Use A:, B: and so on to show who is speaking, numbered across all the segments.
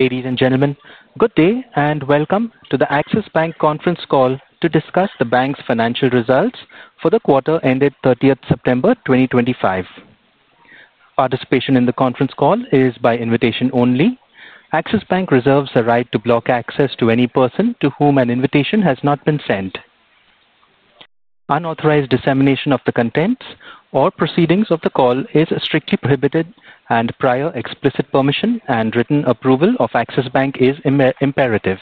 A: Ladies and gentlemen, good day and welcome to the Axis Bank conference call to discuss the bank's financial results for the quarter ended 30th September 2025. Participation in the conference call is by invitation only. Axis Bank reserves the right to block access to any person to whom an invitation has not been sent. Unauthorized dissemination of the contents or proceedings of the call is strictly prohibited, and prior explicit permission and written approval of Axis Bank is imperative.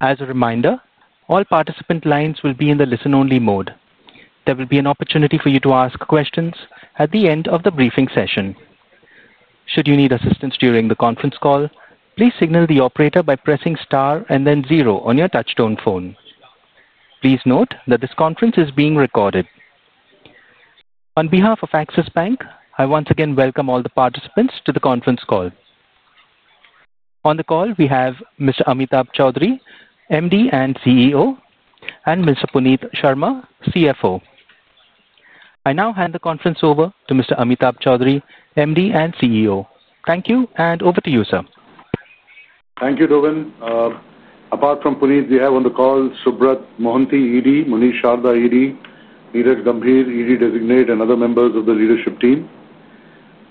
A: As a reminder, all participant lines will be in the listen-only mode. There will be an opportunity for you to ask questions at the end of the briefing session. Should you need assistance during the conference call, please signal the operator by pressing star and then zero on your touchtone phone. Please note that this conference is being recorded. On behalf of Axis Bank, I once again welcome all the participants to the conference call. On the call, we have Mr. Amitabh Chaudhry, MD and CEO, and Mr. Puneet Sharma, CFO. I now hand the conference over to Mr. Amitabh Chaudhry, MD and CEO. Thank you and over to you, sir.
B: Thank you, Dovin. Apart from Puneet, we have on the call Subrat Mohanty, ED, Munish Sharda, ED, Neeraj Gambhir, ED designate, and other members of the leadership team.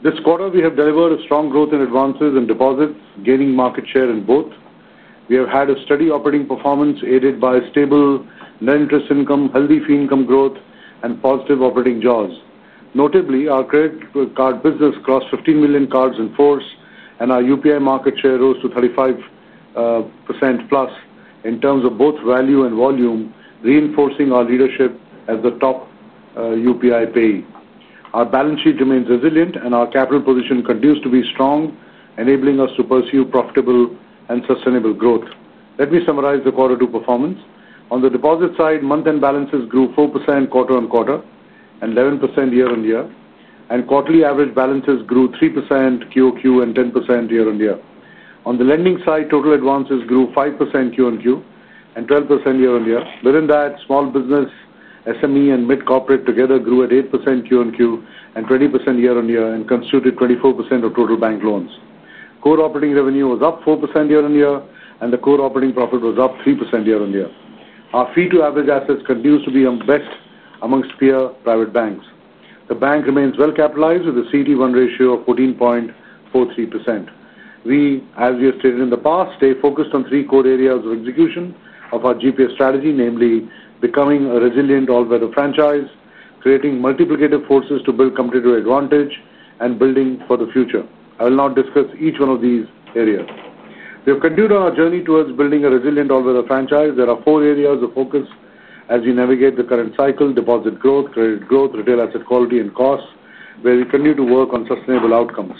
B: This quarter, we have delivered a strong growth in advances and deposits, gaining market share in both. We have had a steady operating performance, aided by stable net interest income, healthy fee income growth, and positive operating jaws. Notably, our credit card business crossed 15 million cards in force, and our UPI market share rose to 35%+ in terms of both value and volume, reinforcing our leadership as the top UPI payee. Our balance sheet remains resilient, and our capital position continues to be strong, enabling us to pursue profitable and sustainable growth. Let me summarize the quarter two performance. On the deposit side, month-end balances grew 4% quarter on quarter and 11% year on year, and quarterly average balances grew 3% QOQ and 10% year on year. On the lending side, total advances grew 5% QOQ and 12% year on year. Within that, small business, SME, and mid-corporate together grew at 8% QOQ and 20% year on year and constituted 24% of total bank loans. Core operating revenue was up 4% year on year, and the core operating profit was up 3% year on year. Our fee-to-average assets continue to be best amongst peer private banks. The bank remains well-capitalized with a CET1 ratio of 14.43%. As we have stated in the past, we stay focused on three core areas of execution of our GPS strategy, namely becoming a resilient all-weather franchise, creating multiplicative forces to build competitive advantage, and building for the future. I will now discuss each one of these areas. We have continued on our journey towards building a resilient all-weather franchise. There are four areas of focus as we navigate the current cycle: deposit growth, credit growth, retail asset quality, and costs, where we continue to work on sustainable outcomes.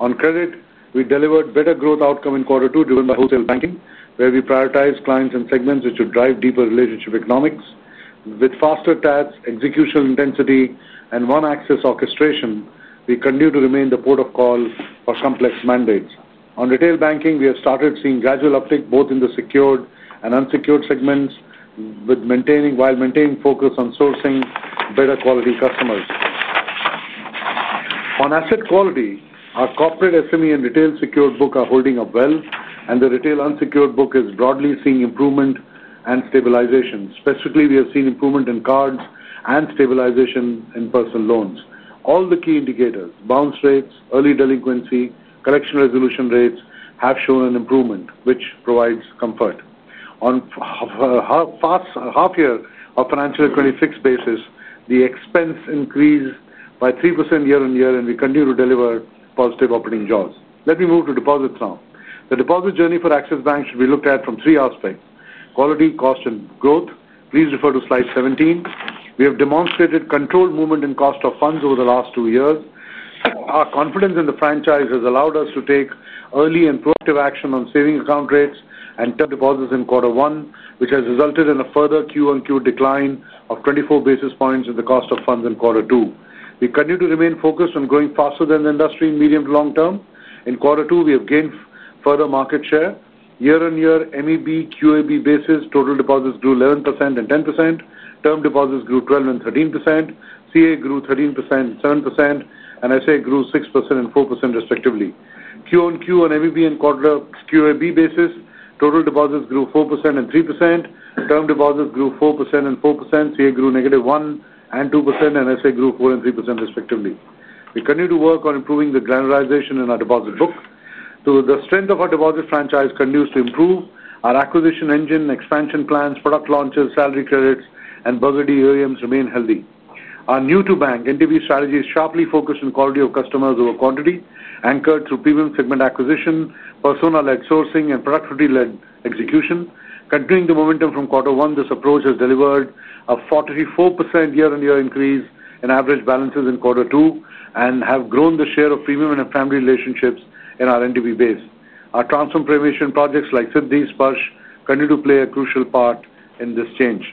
B: On credit, we delivered better growth outcome in quarter two driven by wholesale banking, where we prioritized clients and segments which would drive deeper relationship economics. With faster tabs, executional intensity, and One Axis orchestration, we continue to remain the port of call for complex mandates. On retail banking, we have started seeing gradual uptick both in the secured and unsecured segments, while maintaining focus on sourcing better quality customers. On asset quality, our corporate, SME, and retail secured book are holding up well, and the retail unsecured book is broadly seeing improvement and stabilization. Specifically, we have seen improvement in cards and stabilization in personal loans. All the key indicators—bounce rates, early delinquency, and correction resolution rates—have shown an improvement, which provides comfort. On a half-year financial year 2026 basis, the expense increased by 3% year on year, and we continue to deliver positive operating jaws. Let me move to deposits now. The deposit journey for Axis Bank should be looked at from three aspects: quality, cost, and growth. Please refer to slide 17. We have demonstrated controlled movement in cost of funds over the last two years. Our confidence in the franchise has allowed us to take early and proactive action on saving account rates and deposits in quarter one, which has resulted in a further Q on Q decline of 24 basis points in the cost of funds in quarter two. We continue to remain focused on growing faster than the industry in the medium to long term. In quarter two, we have gained further market share. Year on year, MEB, QAB basis, total deposits grew 11% and 10%. Term deposits grew 12% and 13%. CA grew 13% and 7%, and SA grew 6% and 4%, respectively. Q on Q on MEB and QAB basis, total deposits grew 4% and 3%. Term deposits grew 4% and 4%. CA grew -1% and 2%, and SA grew 4% and 3%, respectively. We continue to work on improving the granularization in our deposit book. The strength of our deposit franchise continues to improve. Our acquisition engine, expansion plans, product launches, salary credits, and Burgundy AUMs remain healthy. Our new-to-bank NTB strategy is sharply focused on quality of customers over quantity, anchored through premium segment acquisition, persona-led sourcing, and productivity-led execution. Continuing the momentum from quarter one, this approach has delivered a 44% year-on-year increase in average balances in quarter two and has grown the share of premium and family relationships in our NTB base. Our transformation projects like Fit These Push continue to play a crucial part in this change.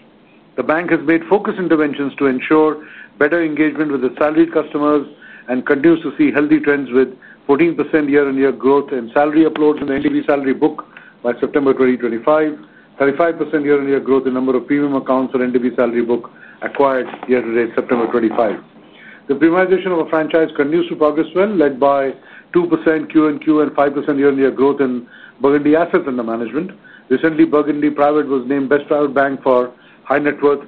B: The bank has made focused interventions to ensure better engagement with the salaried customers and continues to see healthy trends with 14% year-on-year growth in salary uploads in the NTB salary book by September 2025, 35% year-on-year growth in the number of premium accounts in the NTB salary book acquired year to date, September 2025. The premiumization of our franchise continues to progress well, led by 2% Q-on-Q and 5% year-on-year growth in Burgundy assets under management. Recently, Burgundy Private was named Best Private Bank for High Net Worth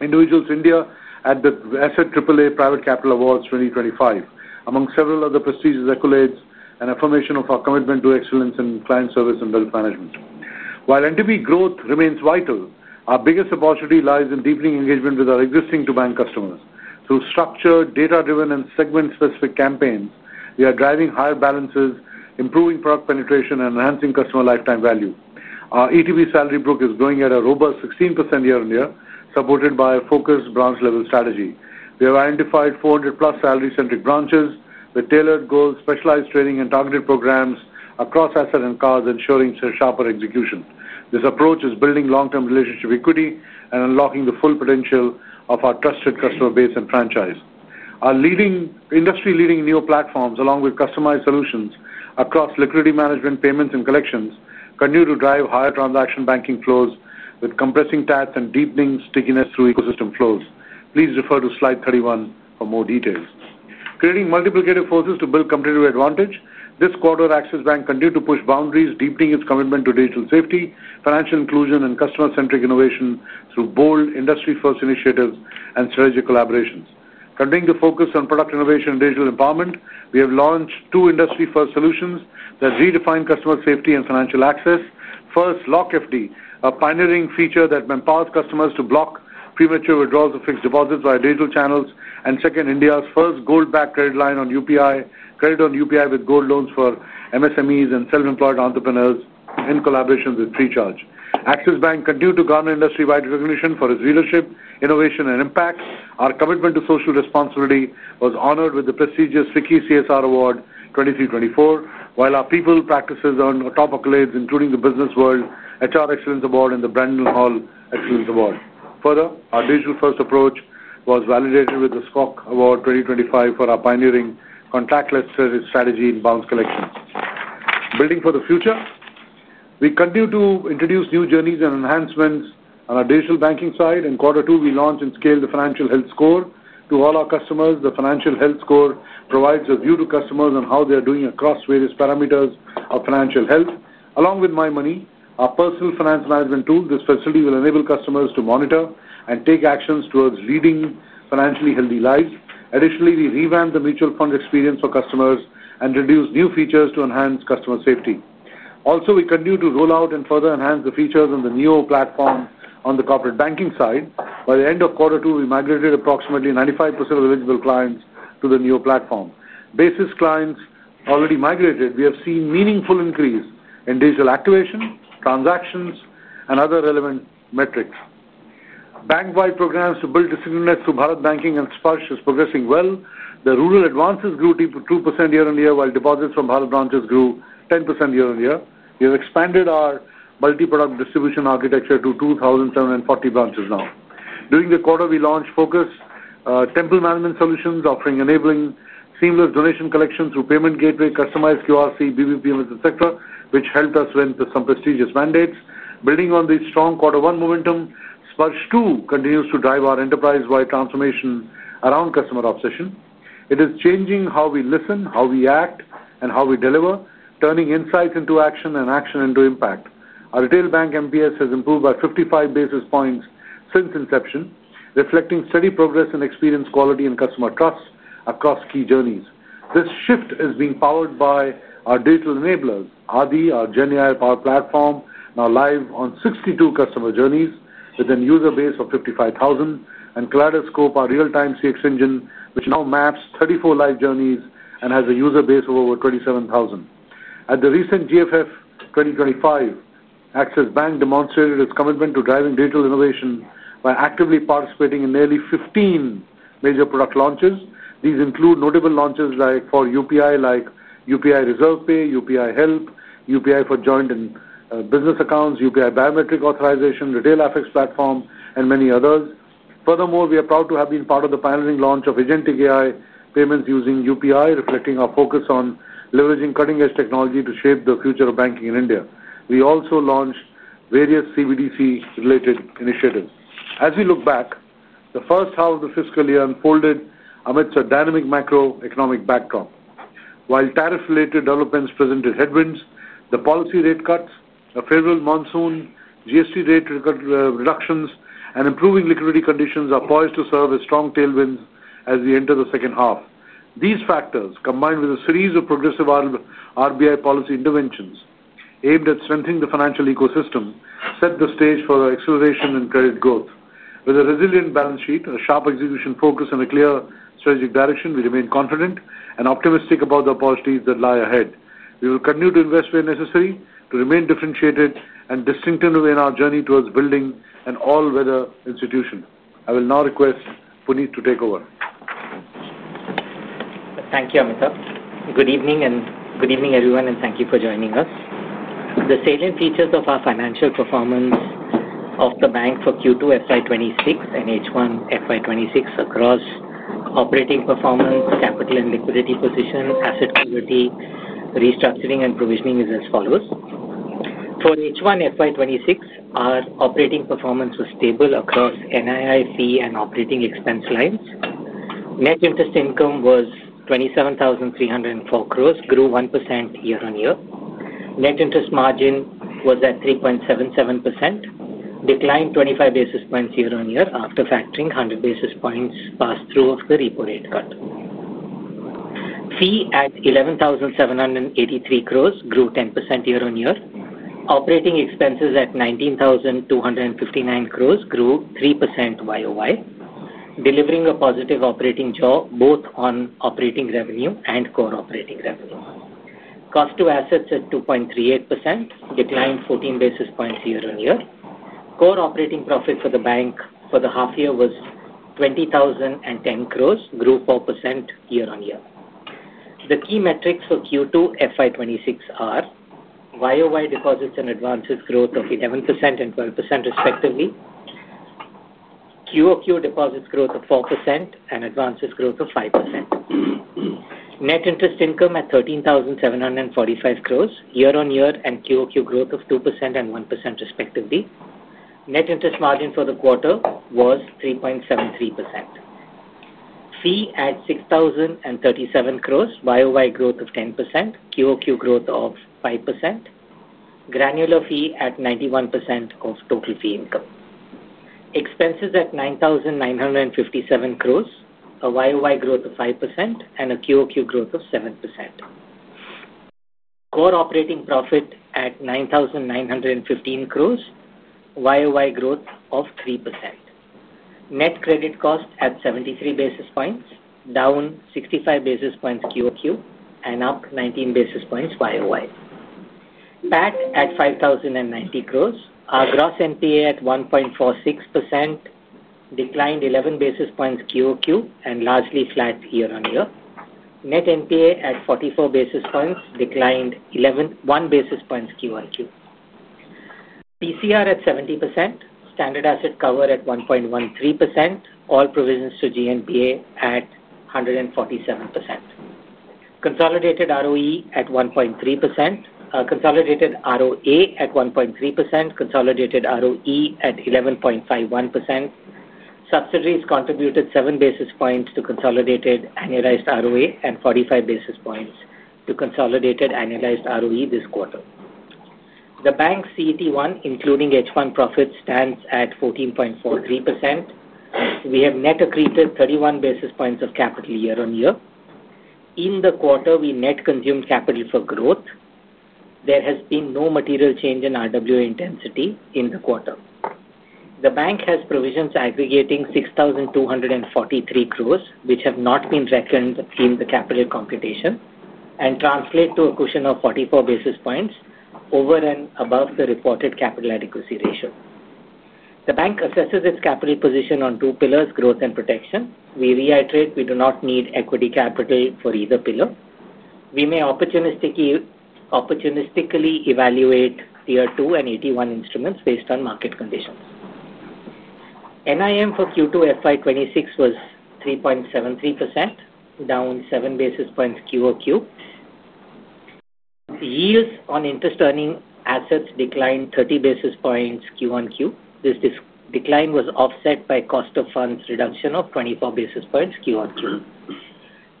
B: Individuals India at the Asset AAA Private Capital Awards 2025, among several other prestigious accolades and affirmation of our commitment to excellence in client service and wealth management. While NDB growth remains vital, our biggest opportunity lies in deepening engagement with our existing to-bank customers. Through structured, data-driven, and segment-specific campaigns, we are driving higher balances, improving product penetration, and enhancing customer lifetime value. Our ETB salary book is growing at a robust 16% year-on-year, supported by a focused branch-level strategy. We have identified 400+ salary-centric branches with tailored goals, specialized training, and targeted programs across asset and cards, ensuring sharper execution. This approach is building long-term relationship equity and unlocking the full potential of our trusted customer base and franchise. Our industry-leading new platforms, along with customized solutions across liquidity management, payments, and collections, continue to drive higher transaction banking flows with compressing tabs and deepening stickiness through ecosystem flows. Please refer to slide 31 for more details. Creating multiplicative forces to build competitive advantage, this quarter, Axis Bank continued to push boundaries, deepening its commitment to digital safety, financial inclusion, and customer-centric innovation through bold industry-first initiatives and strategic collaborations. Continuing to focus on product innovation and digital empowerment, we have launched two industry-first solutions that redefine customer safety and financial access. First, Lock FD, a pioneering feature that empowers customers to block premature withdrawals of fixed deposits via digital channels. Second, India's first gold-backed credit line on UPI, credit on UPI with gold loans for MSMEs and self-employed entrepreneurs in collaboration with Freecharge Payment Technologies Private Ltd. Axis Bank continued to garner industry-wide recognition for its leadership, innovation, and impact. Our commitment to social responsibility was honored with the prestigious FICCI CSR Award 2023-2024, while our people practices earn top accolades, including the Business World HR Excellence Award and the Brandon Hall Excellence Award. Further, our digital-first approach was validated with the SKOCH Award 2025 for our pioneering contactless service strategy in bounce collections. Building for the future, we continue to introduce new journeys and enhancements on our digital banking side. In quarter two, we launched and scaled the Financial Health Score to all our customers. The Financial Health Score provides a view to customers on how they are doing across various parameters of financial health. Along with MyMoney, our personal finance management tool, this facility will enable customers to monitor and take actions towards leading financially healthy lives. Additionally, we revamped the mutual fund experience for customers and introduced new features to enhance customer safety. Also, we continue to roll out and further enhance the features in the NEO platform on the corporate banking side. By the end of quarter two, we migrated approximately 95% of eligible clients to the NEO platform. Basis clients already migrated, we have seen a meaningful increase in digital activation, transactions, and other relevant metrics. Bank-wide programs to build decisions to parallel banking and Splash is progressing well. The rural advances grew 2% year on year, while deposits from parallel branches grew 10% year on year. We have expanded our multi-product distribution architecture to 2,740 branches now. During the quarter, we launched Focus Temple Management Solutions, offering enabling seamless donation collection through payment gateway, customized QRC, BBPMS, etc., which helped us win some prestigious mandates. Building on the strong quarter one momentum, Splash 2 continues to drive our enterprise-wide transformation around customer obsession. It is changing how we listen, how we act, and how we deliver, turning insights into action and action into impact. Our retail bank MPS has improved by 55 basis points since inception, reflecting steady progress and experience quality and customer trust across key journeys. This shift is being powered by our digital enablers, Adi, our GenAI powered platform, now live on 62 customer journeys with a user base of 55,000, and Kaleidoscope, our real-time CX engine, which now maps 34 live journeys and has a user base of over 27,000. At the recent GFF 2025, Axis Bank demonstrated its commitment to driving digital innovation by actively participating in nearly 15 major product launches. These include notable launches for UPI, like UPI Reserve Pay, UPI Help, UPI for Joint and Business Accounts, UPI Biometric Authorization, Retail FX Platform, and many others. Furthermore, we are proud to have been part of the pioneering launch of Agentic AI payments using UPI, reflecting our focus on leveraging cutting-edge technology to shape the future of banking in India. We also launched various CBDC-related initiatives. As we look back, the first half of the fiscal year unfolded amidst a dynamic macroeconomic backdrop. While tariff-related developments presented headwinds, the policy rate cuts, a favorable monsoon, GST rate reductions, and improving liquidity conditions are poised to serve as strong tailwinds as we enter the second half. These factors, combined with a series of progressive RBI policy interventions aimed at strengthening the financial ecosystem, set the stage for acceleration and credit growth. With a resilient balance sheet, a sharp execution focus, and a clear strategic direction, we remain confident and optimistic about the opportunities that lie ahead. We will continue to invest where necessary to remain differentiated and distinctive in our journey towards building an all-weather institution. I will now request Puneet to take over.
C: Thank you, Amitabh. Good evening, and good evening, everyone, and thank you for joining us. The salient features of our financial performance of the bank for Q2 FY 2026 and H1 FY 2026 across operating performance, capital and liquidity position, asset clarity, restructuring, and provisioning are as follows. For H1 FY 2026, our operating performance was stable across NII, fee, and operating expense lines. Net interest income was 27,304 crore, grew 1% year on year. Net interest margin was at 3.77%, declined 25 basis points year on year after factoring 100 basis points pass-through of the repo rate cut. Fee at 11,783 crore grew 10% year on year. Operating expenses at 19,259 crore grew 3% year on year, delivering a positive operating jaw both on operating revenue and core operating revenue. Cost to assets at 2.38% declined 14 basis points year on year. Core operating profit for the bank for the half year was 20,010 crore, grew 4% year on year. The key metrics for Q2 FY 2026 are year on year deposits and advances growth of 11% and 12%, respectively. Quarter on quarter deposits growth of 4% and advances growth of 5%. Net interest income at 13,745 crore year on year and quarter on quarter growth of 2% and 1%, respectively. Net interest margin for the quarter was 3.73%. Fee at 6,037 crore, year on year growth of 10%, quarter on quarter growth of 5%. Granular fee at 91% of total fee income. Expenses at 9,957 crore, a year on year growth of 5% and a quarter on quarter growth of 7%. Core operating profit at 9,915 crore, year on year growth of 3%. Net credit cost at 73 basis points, down 65 basis points quarter on quarter and up 19 basis points year on year. PAT at 5,090 crore, our gross NPA at 1.46%, declined 11 basis points quarter on quarter and largely flat year on year. Net NPA at 44 basis points declined 11 basis points quarter on quarter. PCR at 70%, standard asset cover at 1.13%, all provisions to GNPA at 147%. Consolidated ROE at 1.3% consolidated ROA at 1.3%, consolidated ROE at 11.51%. Subsidiaries contributed 7 basis points to consolidated annualized ROA and 45 basis points to consolidated annualized ROE this quarter. The bank's CET1, including H1 profits, stands at 14.43%. We have net accreted 31 basis points of capital year on year. In the quarter, we net consumed capital for growth. There has been no material change in RWA intensity in the quarter. The bank has provisions aggregating 6,243 crore, which have not been reckoned in the capital computation and translate to a cushion of 44 basis points over and above the reported capital adequacy ratio. The bank assesses its capital position on two pillars, growth and protection. We reiterate we do not need equity capital for either pillar. We may opportunistically evaluate Tier 2 and AT1 instruments based on market conditions. NIM for Q2 FY 2026 was 3.73%, down 7 basis points QOQ. Yields on interest-earning assets declined 30 basis points QOQ. This decline was offset by cost of funds reduction of 24 basis points QOQ.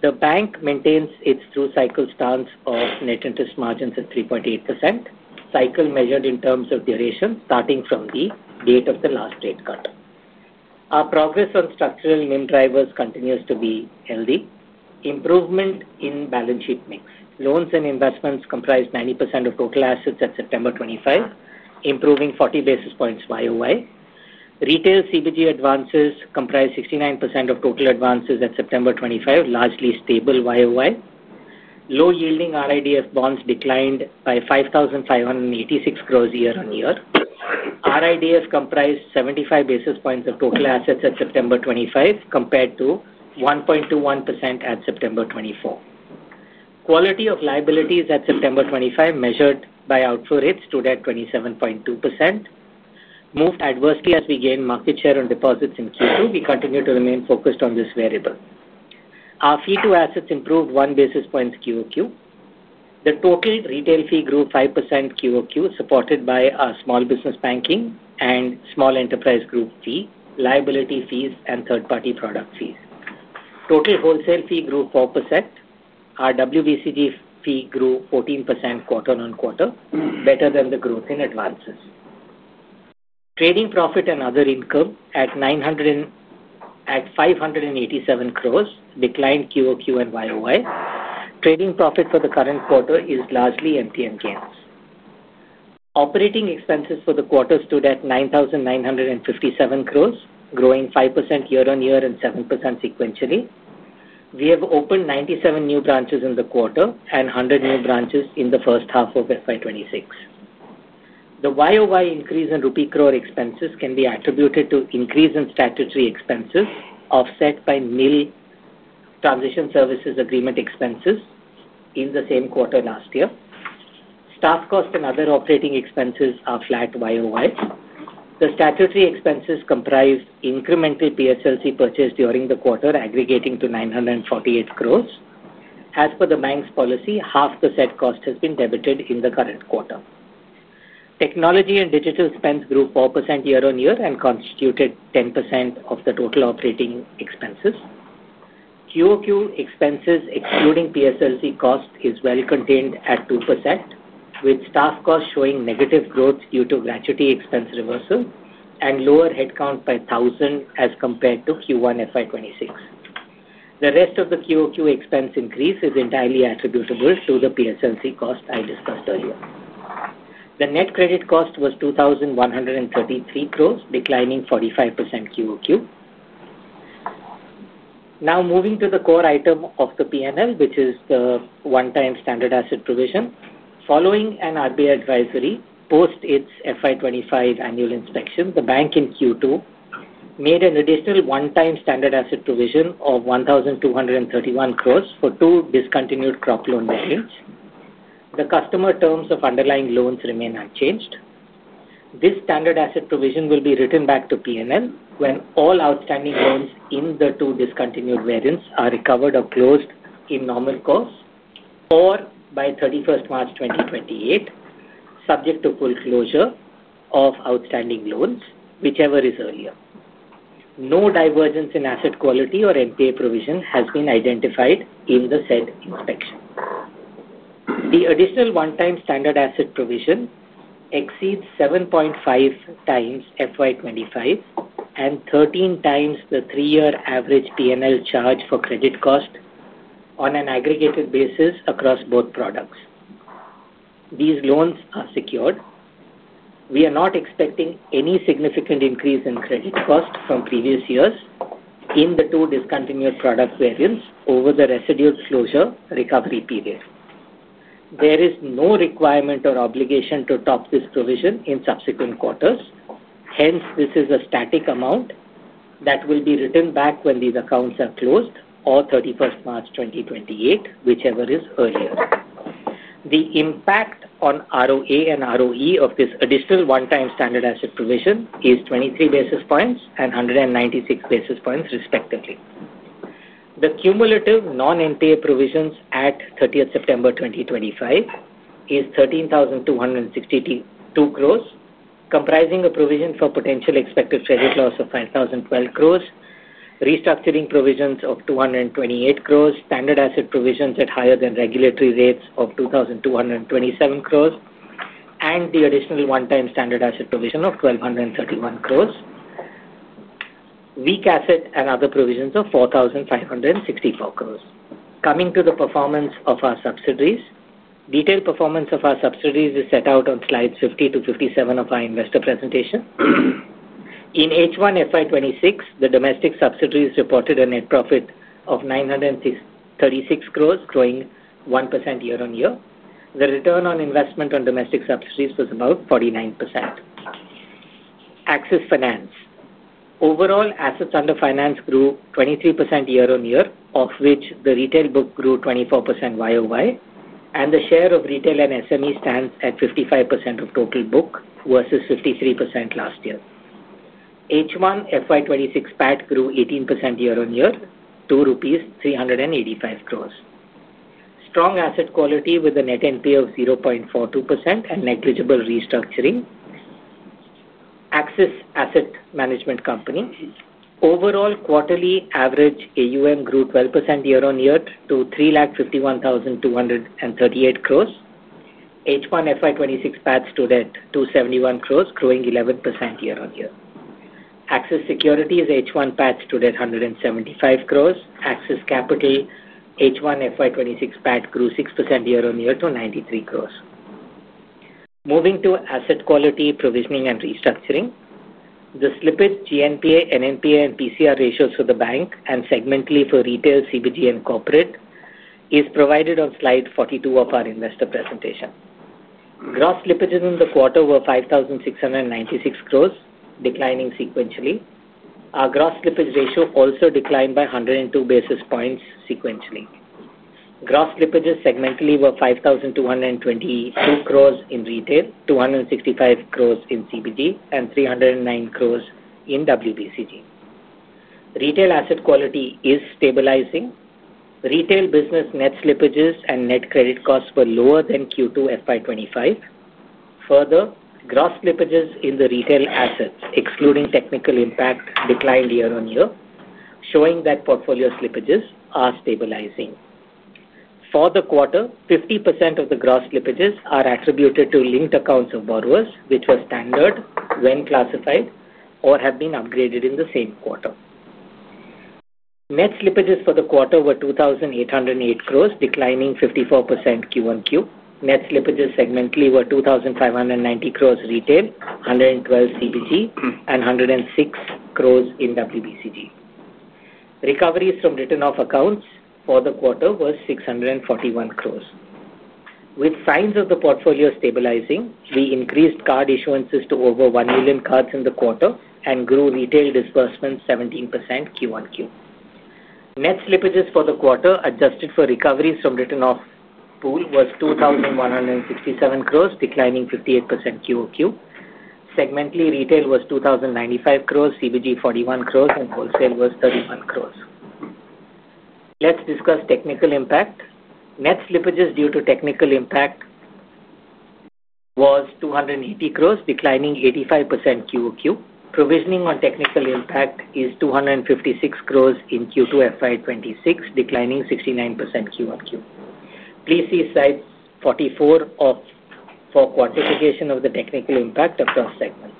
C: The bank maintains its through-cycle stance of net interest margins at 3.8%, cycle measured in terms of duration starting from the date of the last rate cut. Our progress on structural NIM drivers continues to be healthy. Improvement in balance sheet mix. Loans and investments comprise 90% of total assets at September 25, improving 40 basis points YOY. Retail CBG advances comprise 69% of total advances at September 25, largely stable YOY. Low-yielding RIDF bonds declined by 5,586 crore year on year. RIDF comprised 75 basis points of total assets at September 25 compared to 1.21% at September 24. Quality of liabilities at September 25 measured by outflow rates stood at 27.2%. Moved adversely as we gained market share on deposits in Q2, we continue to remain focused on this variable. Our fee to assets improved 1 basis point QOQ. The total retail fee grew 5% QOQ, supported by our small business banking and small enterprise group fee, liability fees, and third-party product fees. Total wholesale fee grew 4%. Our WBCG fee grew 14% quarter on quarter, better than the growth in advances. Trading profit and other income at 587 crore declined QOQ and YOY. Trading profit for the current quarter is largely MTM gains. Operating expenses for the quarter stood at 9,957 crore, growing 5% year on year and 7% sequentially. We have opened 97 new branches in the quarter and 100 new branches in the first half of FY 2026. The YOY increase in rupee crore expenses can be attributed to increase in statutory expenses offset by NIL transition services agreement expenses in the same quarter last year. Staff cost and other operating expenses are flat YOY. The statutory expenses comprise incremental PSLC purchase during the quarter, aggregating to 948 crore. As per the bank's policy, half the said cost has been debited in the current quarter. Technology and digital spend grew 4% year on year and constituted 10% of the total operating expenses. QOQ expenses, excluding PSLC cost, is well contained at 2%, with staff costs showing negative growth due to gratuity expense reversal and lower headcount by 1,000 as compared to Q1 FY 2026. The rest of the QOQ expense increase is entirely attributable to the PSLC cost I discussed earlier. The net credit cost was 2,133 crores, declining 45% QOQ. Now moving to the core item of the P&L, which is the one-time standard asset provision. Following an RBI advisory post its FY25 annual inspection, the bank in Q2 made an additional one-time standard asset provision of 1,231 crores for two discontinued crop loan variants. The customer terms of underlying loans remain unchanged. This standard asset provision will be written back to P&L when all outstanding loans in the two discontinued variants are recovered or closed in normal course or by 31st March 2028, subject to full closure of outstanding loans, whichever is earlier. No divergence in asset quality or NPA provision has been identified in the said inspection. The additional one-time standard asset provision exceeds 7.5 times FY 2025 and 13 times the three-year average P&L charge for credit cost on an aggregated basis across both products. These loans are secured. We are not expecting any significant increase in credit cost from previous years in the two discontinued product variants over the residual closure recovery period. There is no requirement or obligation to top this provision in subsequent quarters. Hence, this is a static amount that will be written back when these accounts are closed or 31st March 2028, whichever is earlier. The impact on ROA and ROE of this additional one-time standard asset provision is 23 basis points and 196 basis points, respectively. The cumulative non-NPA provisions at 30th September 2025 is 13,262 crores, comprising a provision for potential expected credit loss of 5,012 crores, restructuring provisions of 228 crores, standard asset provisions at higher than regulatory rates of 2,227 crores, and the additional one-time standard asset provision of 1,231 crores, weak asset and other provisions of 4,564 crores. Coming to the performance of our subsidiaries, detailed performance of our subsidiaries is set out on slides 50 to 57 of our investor presentation. In H1 FY 2026, the domestic subsidiaries reported a net profit of 936 crores, growing 1% year on year. The return on investment on domestic subsidiaries was about 49%. Axis Finance, overall assets under finance grew 23% year on year, of which the retail book grew 24% YOY, and the share of retail and SME stands at 55% of total book versus 53% last year. H1 FY 2026 PAT grew 18% year on year, rupees 2,385 crores. Strong asset quality with a net NPA of 0.42% and negligible restructuring. Axis Asset Management Company, overall quarterly average AUM grew 12% year on year to 351,238 crores. H1 FY 2026 PAT stood at 271 crores, growing 11% year on year. Axis Securities, H1 PAT stood at 175 crores. Axis Capital, H1 FY 2026 PAT grew 6% year on year to 93 crores. Moving to asset quality provisioning and restructuring, the slippage GNPA, NNPA, and PCR ratios for the bank and segmentally for retail, CBG, and corporate is provided on slide 42 of our investor presentation. Gross slippages in the quarter were 5,696 crores, declining sequentially. Our gross slippage ratio also declined by 102 basis points sequentially. Gross slippages segmentally were 5,222 crores in retail, 265 crores in CBG, and 309 crores in WBCG. Retail asset quality is stabilizing. Retail business net slippages and net credit costs were lower than Q2 FY 2025. Further, gross slippages in the retail assets, excluding technical impact, declined year on year, showing that portfolio slippages are stabilizing. For the quarter, 50% of the gross slippages are attributed to linked accounts of borrowers, which were standard when classified or have been upgraded in the same quarter. Net slippages for the quarter were 2,808 crores, declining 54% QoQ. Net slippages segmentally were 2,590 crores retail, 112 crores CBG, and 106 crores in WBCG. Recoveries from written-off accounts for the quarter were 641 crores. With signs of the portfolio stabilizing, we increased card issuances to over 1 million cards in the quarter and grew retail disbursements 17% QoQ. Net slippages for the quarter adjusted for recoveries from written-off pool was 2,167 crores, declining 58% QOQ. Segmentally, retail was 2,095 crores, CBG 41 crores, and wholesale was 31 crores. Let's discuss technical impact. Net slippages due to technical impact was 280 crores, declining 85% QOQ. Provisioning on technical impact is 256 crores in Q2 FY 2026, declining 69% QoQ. Please see slide 44 for quantification of the technical impact across segments.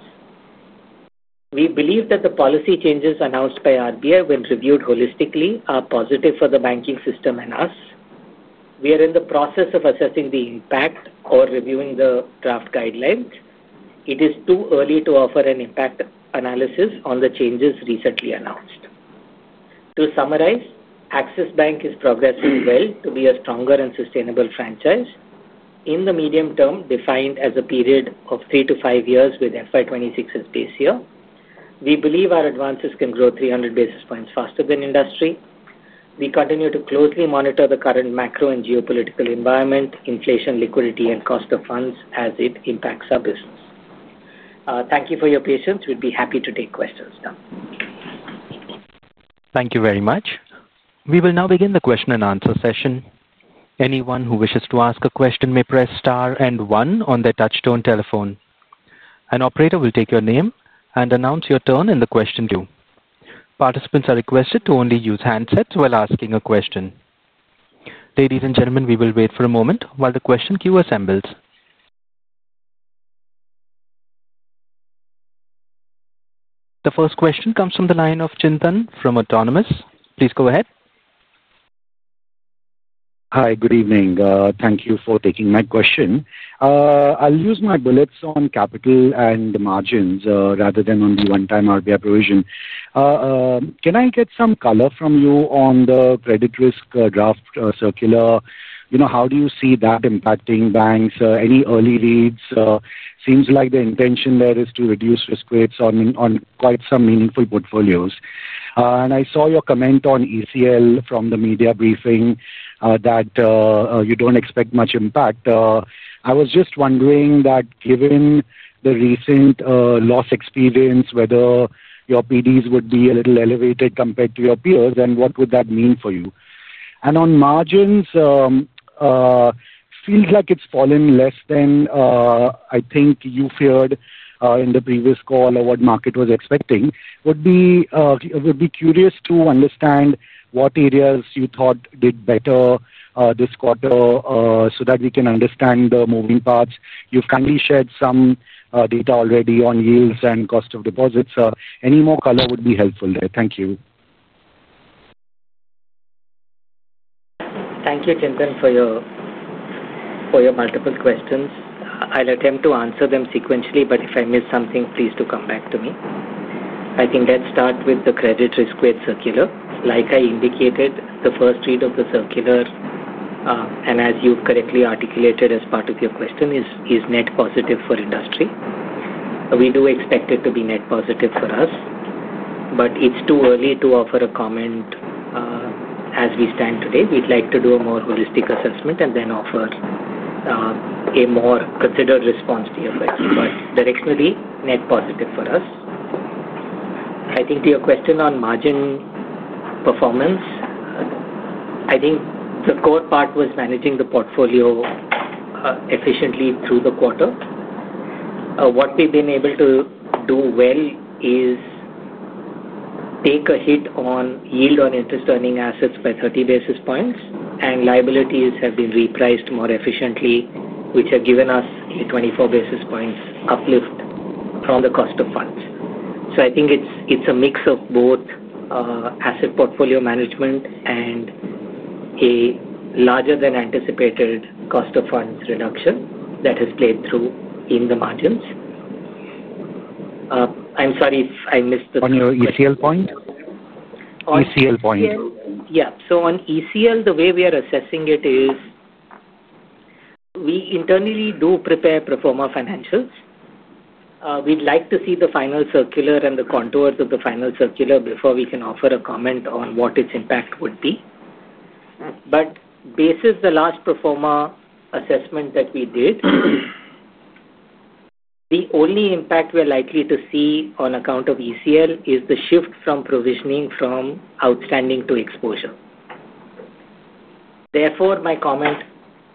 C: We believe that the policy changes announced by RBI, when reviewed holistically, are positive for the banking system and us. We are in the process of assessing the impact or reviewing the draft guidelines. It is too early to offer an impact analysis on the changes recently announced. To summarize, Axis Bank is progressing well to be a stronger and sustainable franchise. In the medium term, defined as a period of three to five years with FY 2026 as base year, we believe our advances can grow 300 basis points faster than industry. We continue to closely monitor the current macro and geopolitical environment, inflation, liquidity, and cost of funds as it impacts our business. Thank you for your patience. We'd be happy to take questions now.
A: Thank you very much. We will now begin the question and answer session. Anyone who wishes to ask a question may press star and one on their touchstone telephone. An operator will take your name and announce your turn in the question queue. Participants are requested to only use handsets while asking a question. Ladies and gentlemen, we will wait for a moment while the question queue assembles. The first question comes from the line of Chintan from Autonomous. Please go ahead.
D: Hi, good evening. Thank you for taking my question. I'll use my bullets on capital and the margins rather than on the one-time RBI provision. Can I get some color from you on the credit risk draft circular? You know, how do you see that impacting banks? Any early reads? It seems like the intention there is to reduce risk rates on quite some meaningful portfolios. I saw your comment on ECL from the media briefing that you don't expect much impact. I was just wondering that given the recent loss experience, whether your PDs would be a little elevated compared to your peers, and what would that mean for you? On margins, it feels like it's fallen less than I think you feared in the previous call or what the market was expecting. Would be curious to understand what areas you thought did better this quarter so that we can understand the moving parts. You've kindly shared some data already on yields and cost of deposits. Any more color would be helpful there. Thank you.
C: Thank you, Chintan, for your multiple questions. I'll attempt to answer them sequentially, but if I miss something, please come back to me. I think let's start with the credit risk rate circular. Like I indicated, the first read of the circular, and as you've correctly articulated as part of your question, is net positive for industry. We do expect it to be net positive for us, but it's too early to offer a comment as we stand today. We'd like to do a more holistic assessment and then offer a more considered response to your question. Directionally, net positive for us. I think to your question on margin performance, the core part was managing the portfolio efficiently through the quarter. What we've been able to do well is take a hit on yield on interest-earning assets by 30 basis points, and liabilities have been repriced more efficiently, which have given us a 24 basis points uplift from the cost of funds. I think it's a mix of both asset portfolio management and a larger than anticipated cost of funds reduction that has played through in the margins. I'm sorry if I missed the.
D: On your EL point? On ECL point.
C: Yeah. On ECL, the way we are assessing it is we internally do prepare pro forma financials. We'd like to see the final circular and the contours of the final circular before we can offer a comment on what its impact would be. Basis the last pro forma assessment that we did, the only impact we're likely to see on account of ECL is the shift from provisioning from outstanding to exposure. Therefore, my comment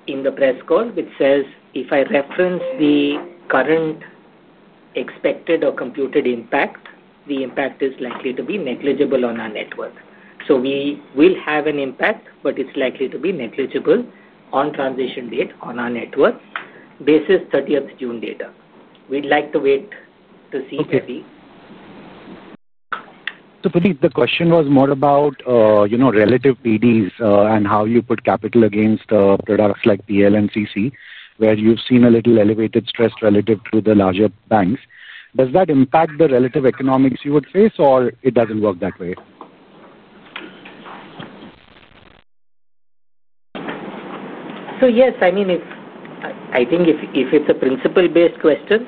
C: in the press call, which says, if I reference the current expected or computed impact, the impact is likely to be negligible on our net worth. We will have an impact, but it's likely to be negligible on transition date on our net worth, basis 30th June data. We'd like to wait to see PD.
D: Puneet, the question was more about, you know, relative PDs and how you put capital against products like PL and CC, where you've seen a little elevated stress relative to the larger banks. Does that impact the relative economics you would face, or it doesn't work that way?
C: Yes, if I think if it's a principle-based question,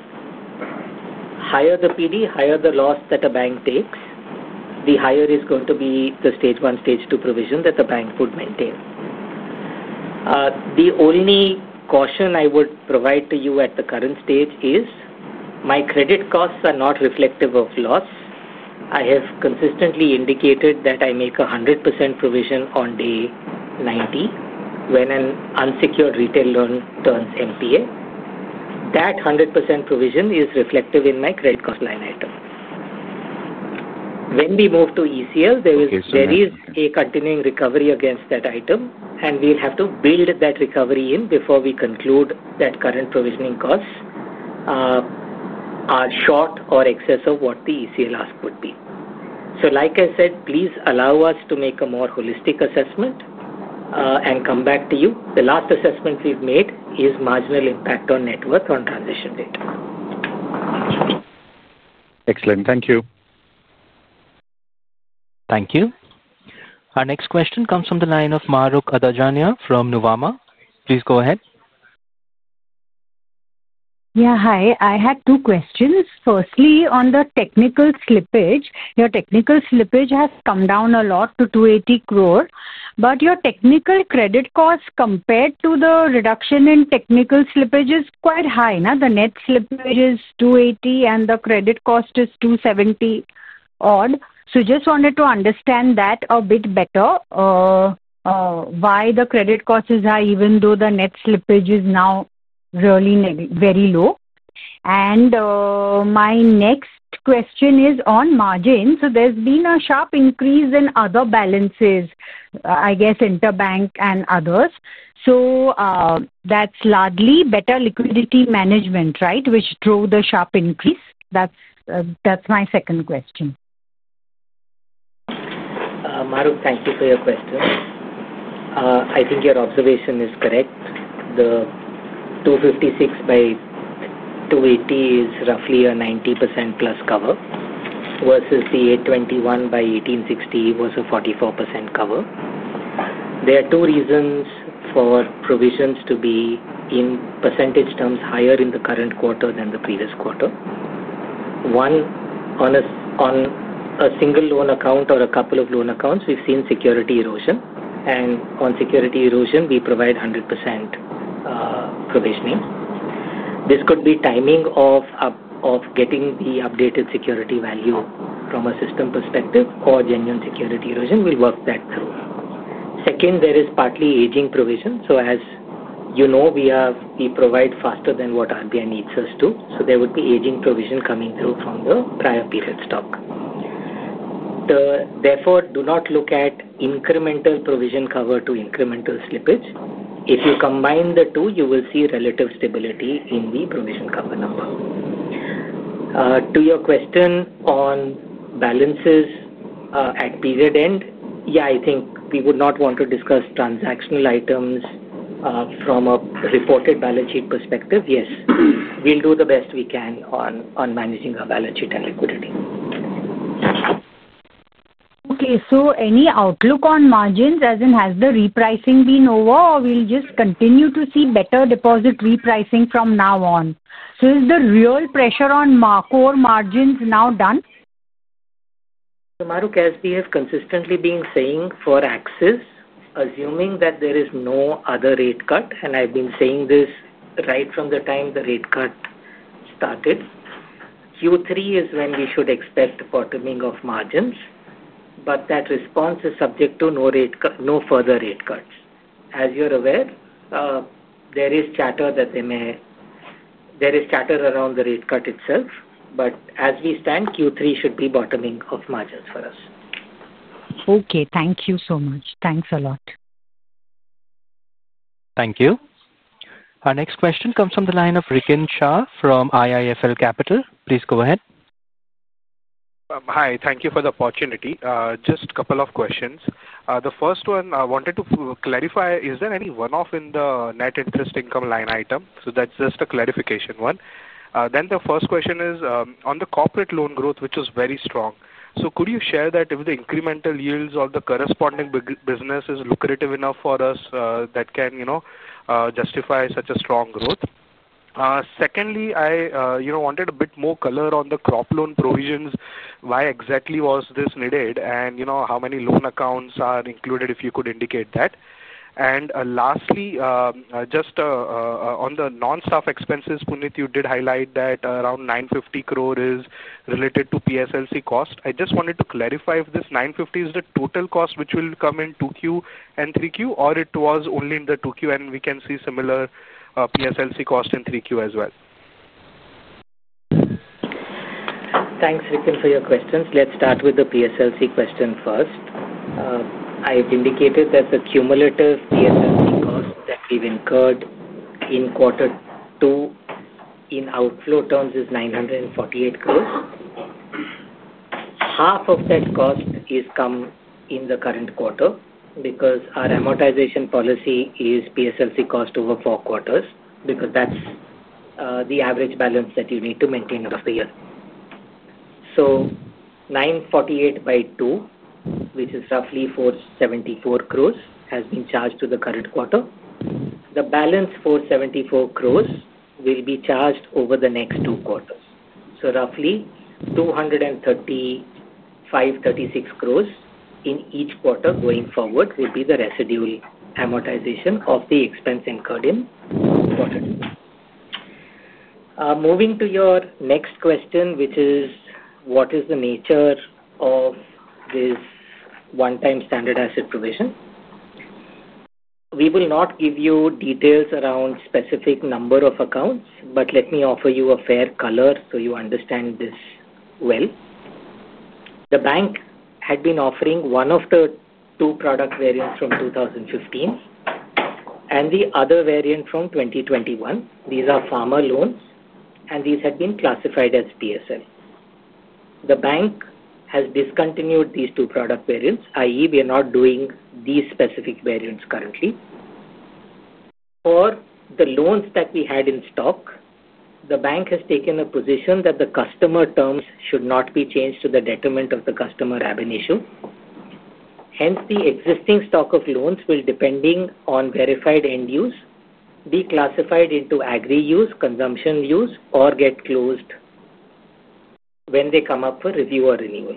C: higher the PD, higher the loss that a bank takes, the higher is going to be the stage one, stage two provision that the bank would maintain. The only caution I would provide to you at the current stage is my credit costs are not reflective of loss. I have consistently indicated that I make a 100% provision on day 90 when an unsecured retail loan turns NPA. That 100% provision is reflective in my credit cost line item. When we move to ECL, there is a continuing recovery against that item, and we'll have to build that recovery in before we conclude that current provisioning costs are short or excessive of what the ECL ask would be. Please allow us to make a more holistic assessment and come back to you. The last assessment we've made is marginal impact on net worth on transition date.
D: Excellent. Thank you.
A: Thank you. Our next question comes from the line of Mahrukh Adajania from Nuvama. Please go ahead.
E: Yeah, hi. I had two questions. Firstly, on the technical slippage, your technical slippage has come down a lot to 280 crore. Your technical credit cost compared to the reduction in technical slippage is quite high. Now, the net slippage is 280 crore and the credit cost is 270 crore odd. I just wanted to understand that a bit better. Why is the credit cost high even though the net slippage is now really very low? My next question is on margins. There has been a sharp increase in other balances, I guess Interbank and others. That is largely better liquidity management, right, which drove the sharp increase? That is my second question.
C: Mahrukh, thank you for your question. I think your observation is correct. The 256 by 280 is roughly a 90%+ cover versus the 821 by 1860 was a 44% cover. There are two reasons for provisions to be in % terms higher in the current quarter than the previous quarter. One, on a single loan account or a couple of loan accounts, we've seen security erosion. On security erosion, we provide 100% provisioning. This could be timing of getting the updated security value from a system perspective or genuine security erosion. We'll work that through. Second, there is partly aging provision. As you know, we provide faster than what RBI needs us to. There would be aging provision coming through from the prior period stock. Therefore, do not look at incremental provision cover to incremental slippage. If you combine the two, you will see relative stability in the provision cover number. To your question on balances at period end, I think we would not want to discuss transactional items from a reported balance sheet perspective. Yes, we'll do the best we can on managing our balance sheet and liquidity.
E: Okay. Any outlook on margins as in has the repricing been over or we'll just continue to see better deposit repricing from now on? Is the real pressure on core margins now done?
C: As we have consistently been saying for Axis, assuming that there is no other rate cut, and I've been saying this right from the time the rate cut started, Q3 is when we should expect a bottoming of margins. That response is subject to no further rate cuts. As you're aware, there is chatter that they may, there is chatter around the rate cut itself. As we stand, Q3 should be bottoming of margins for us.
E: Okay, thank you so much. Thanks a lot.
A: Thank you. Our next question comes from the line of Rikin Shah from IIFL Capital. Please go ahead.
F: Hi. Thank you for the opportunity. Just a couple of questions. The first one, I wanted to clarify, is there any one-off in the net interest income line item? That's just a clarification one. The first question is on the corporate loan growth, which is very strong. Could you share that with the incremental yields or the corresponding business? Is it lucrative enough for us that can justify such a strong growth? Secondly, I wanted a bit more color on the crop loan provisions. Why exactly was this needed? How many loan accounts are included, if you could indicate that? Lastly, just on the non-staff expenses, Puneet, you did highlight that around 950 crore is related to PSLC cost. I just wanted to clarify if this 950 crore is the total cost which will come in 2Q and 3Q, or it was only in the 2Q and we can see similar PSLC cost in 3Q as well.
C: Thanks, Rikin, for your questions. Let's start with the PSLC question first. I've indicated that the cumulative PSLC cost that we've incurred in quarter two in outflow terms is 948 crore. Half of that cost has come in the current quarter because our amortization policy is PSLC cost over four quarters because that's the average balance that you need to maintain over the year. So 948 by 2, which is roughly 474 crore, has been charged to the current quarter. The balance 474 crore will be charged over the next two quarters. Roughly 235, 236 crore in each quarter going forward will be the residual amortization of the expense incurred in the quarter. Moving to your next question, which is what is the nature of this one-time standard asset provision? We will not give you details around a specific number of accounts, but let me offer you a fair color so you understand this well. The bank had been offering one of the two product variants from 2015 and the other variant from 2021. These are farmer loans, and these had been classified as PSL. The bank has discontinued these two product variants, i.e., we are not doing these specific variants currently. For the loans that we had in stock, the bank has taken a position that the customer terms should not be changed to the detriment of the customer having issue. Hence, the existing stock of loans will, depending on verified end use, be classified into agri use, consumption use, or get closed when they come up for review or renewal.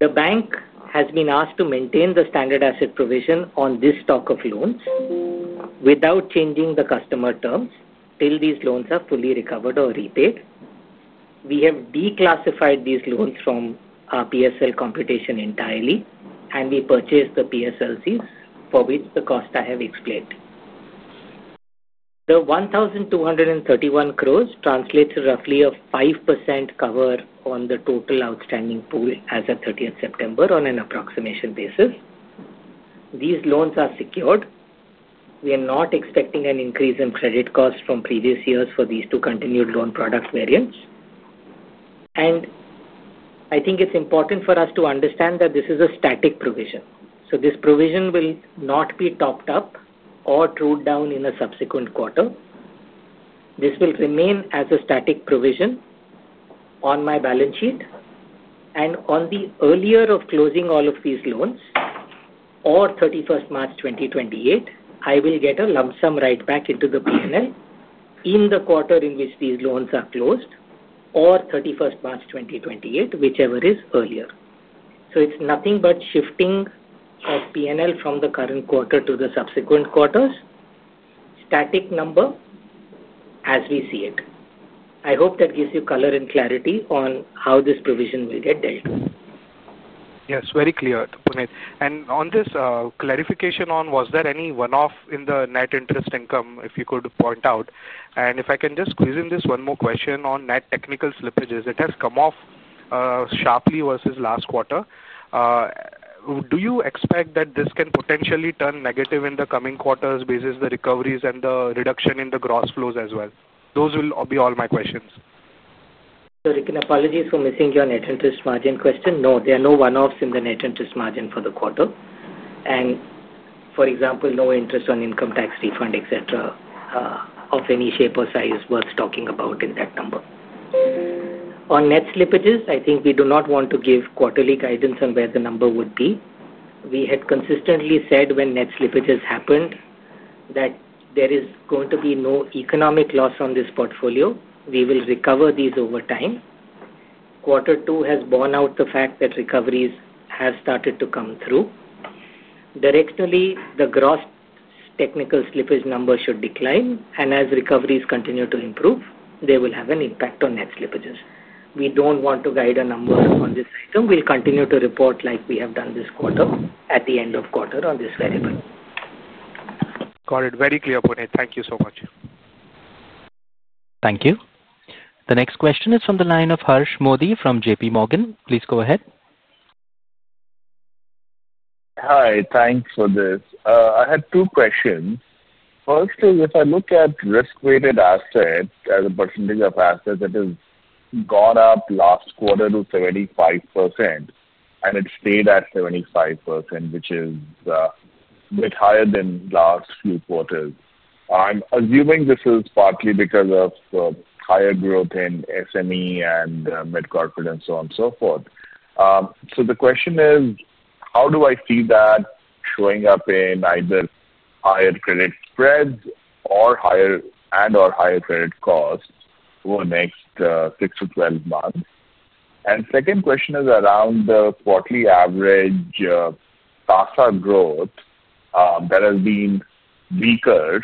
C: The bank has been asked to maintain the standard asset provision on this stock of loans without changing the customer terms till these loans are fully recovered or repaid. We have declassified these loans from our PSL computation entirely, and we purchased the PSLCs for which the cost I have explained. The 1,231 crore translates to roughly a 5% cover on the total outstanding pool as of 30th September on an approximation basis. These loans are secured. We are not expecting an increase in credit cost from previous years for these two continued loan product variants. I think it's important for us to understand that this is a static provision. This provision will not be topped up or trued down in a subsequent quarter. This will remain as a static provision on my balance sheet. On the earlier of closing all of these loans or 31st March 2028, I will get a lump sum write-back into the P&L in the quarter in which these loans are closed or 31st March 2028, whichever is earlier. It's nothing but shifting of P&L from the current quarter to the subsequent quarters, static number as we see it. I hope that gives you color and clarity on how this provision will get dealt.
F: Yes, very clear, Puneet. On this clarification, was there any one-off in the net interest income if you could point out? If I can just squeeze in this one more question on net technical slippages, it has come off sharply versus last quarter. Do you expect that this can potentially turn negative in the coming quarters basis the recoveries and the reduction in the gross flows as well? Those will be all my questions.
C: Rikin, apologies for missing your net interest margin question. No, there are no one-offs in the net interest margin for the quarter. For example, no interest on income tax refund, etc., of any shape or size worth talking about in that number. On net slippages, we do not want to give quarterly guidance on where the number would be. We had consistently said when net slippages happened that there is going to be no economic loss on this portfolio. We will recover these over time. Quarter two has borne out the fact that recoveries have started to come through. Directionally, the gross technical slippage number should decline. As recoveries continue to improve, they will have an impact on net slippages. We don't want to guide a number on this item. We'll continue to report like we have done this quarter at the end of quarter on this variable.
F: Got it. Very clear, Puneet. Thank you so much.
A: Thank you. The next question is from the line of Harsh Modi from JPMorgan. Please go ahead.
G: Hi. Thanks for this. I had two questions. First is if I look at risk-weighted assets as a percentage of assets, that has gone up last quarter to 75% and it stayed at 75%, which is a bit higher than the last few quarters. I'm assuming this is partly because of higher growth in SME and mid-corporate and so on and so forth. The question is, how do I see that showing up in either higher credit spreads and/or higher credit costs over the next 6 - 12 months? The second question is around the quarterly average PASA growth that has been weaker.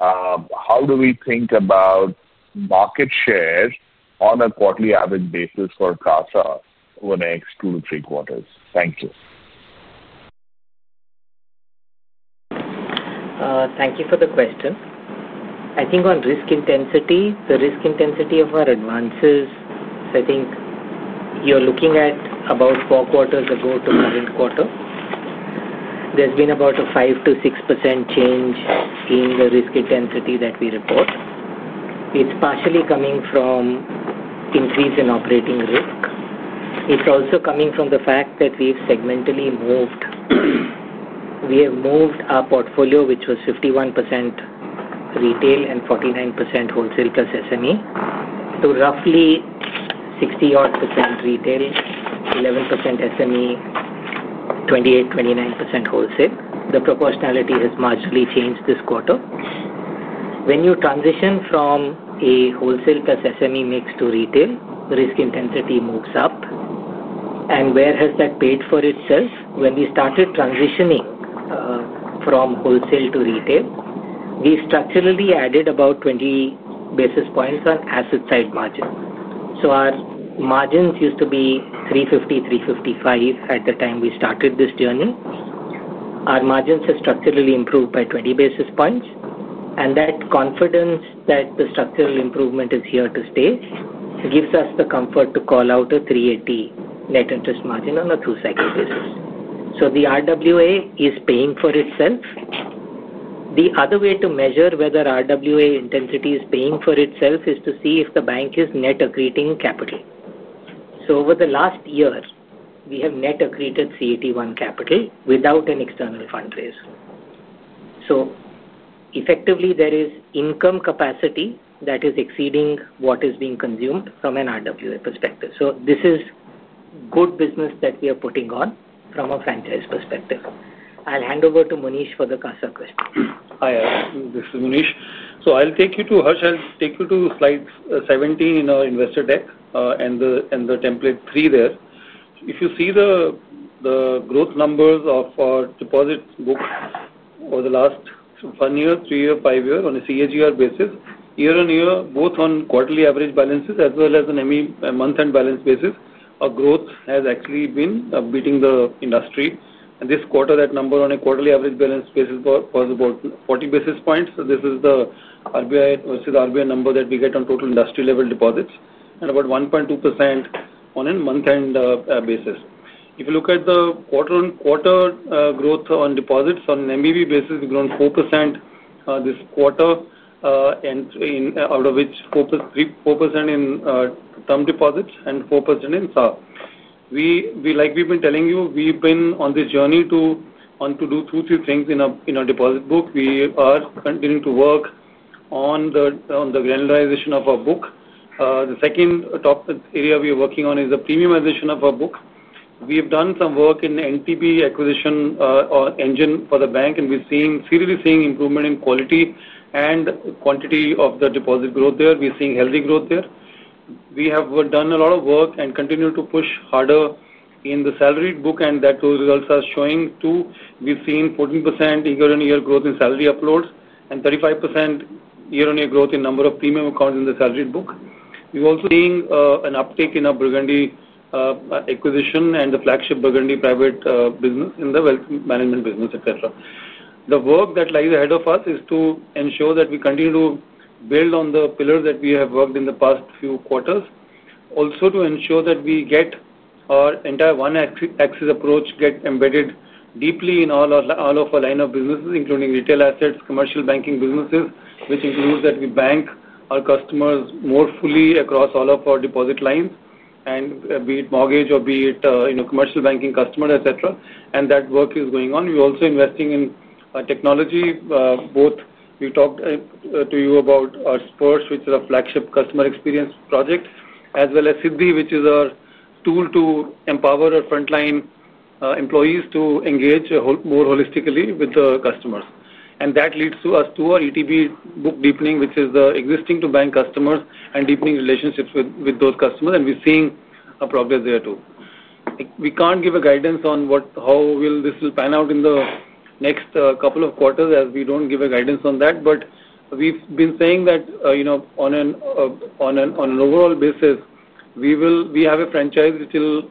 G: How do we think about market share on a quarterly average basis for PASA over the next two to three quarters? Thank you.
C: Thank you for the question. I think on risk intensity, the risk intensity of our advances, I think you're looking at about four quarters ago to current quarter. There's been about a 5% - 6% change in the risk intensity that we report. It's partially coming from an increase in operating risk. It's also coming from the fact that we've segmentally moved. We have moved our portfolio, which was 51% retail and 49% wholesale plus SME, to roughly 60-odd % retail, 11% SME, 28%, 29% wholesale. The proportionality has marginally changed this quarter. When you transition from a wholesale plus SME mix to retail, the risk intensity moves up. Where has that paid for itself? When we started transitioning from wholesale to retail, we've structurally added about 20 basis points on asset side margins. Our margins used to be 350, 355 at the time we started this journey. Our margins have structurally improved by 20 basis points. That confidence that the structural improvement is here to stay gives us the comfort to call out a 380 net interest margin on a two-second basis. The RWA is paying for itself. The other way to measure whether RWA intensity is paying for itself is to see if the bank is net accreting capital. Over the last year, we have net accreted CET1 capital without an external fund raise. Effectively, there is income capacity that is exceeding what is being consumed from an RWA perspective. This is good business that we are putting on from a franchise perspective. I'll hand over to Munish for the CASA question.
H: Hi. This is Munish. I'll take you to slide 17 in our investor deck and the template three there. If you see the growth numbers of our deposit books over the last one year, three year, five year on a CAGR basis, year on year, both on quarterly average balances as well as on a month-end balance basis, our growth has actually been beating the industry. This quarter, that number on a quarterly average balance basis was about 40 basis points. This is the RBI versus RBI number that we get on total industry-level deposits and about 1.2% on a month-end basis. If you look at the quarter-on-quarter growth on deposits, on an MVV basis, we've grown 4% this quarter, out of which 4% in term deposits and 4% in SAR. Like we've been telling you, we've been on this journey to do two or three things in our deposit book. We are continuing to work on the granularization of our book. The second top area we are working on is the premiumization of our book. We have done some work in the NTB acquisition or engine for the bank, and we're serially seeing improvement in quality and quantity of the deposit growth there. We're seeing healthy growth there. We have done a lot of work and continue to push harder in the salaried book, and those results are showing too. We've seen 14% year-on-year growth in salary uploads and 35% year-on-year growth in the number of premium accounts in the salaried book. We've also seen an uptake in our Burgundy acquisition and the flagship Burgundy Private business in the wealth management business, etc. The work that lies ahead of us is to ensure that we continue to build on the pillars that we have worked in the past few quarters, also to ensure that we get our entire one-axis approach embedded deeply in all of our line of businesses, including retail assets, commercial banking businesses, which includes that we bank our customers more fully across all of our deposit lines, be it mortgage or commercial banking customers, etc. That work is going on. We're also investing in technology. We talked to you about our Sparsh, which is a flagship customer experience project, as well as Siddhi, which is our tool to empower our frontline employees to engage more holistically with the customers. That leads us to our NTB book deepening, which is the existing to bank customers and deepening relationships with those customers. We're seeing progress there too. We can't give a guidance on how this will pan out in the next couple of quarters as we don't give a guidance on that. We've been saying that, you know, on an overall basis, we have a franchise that will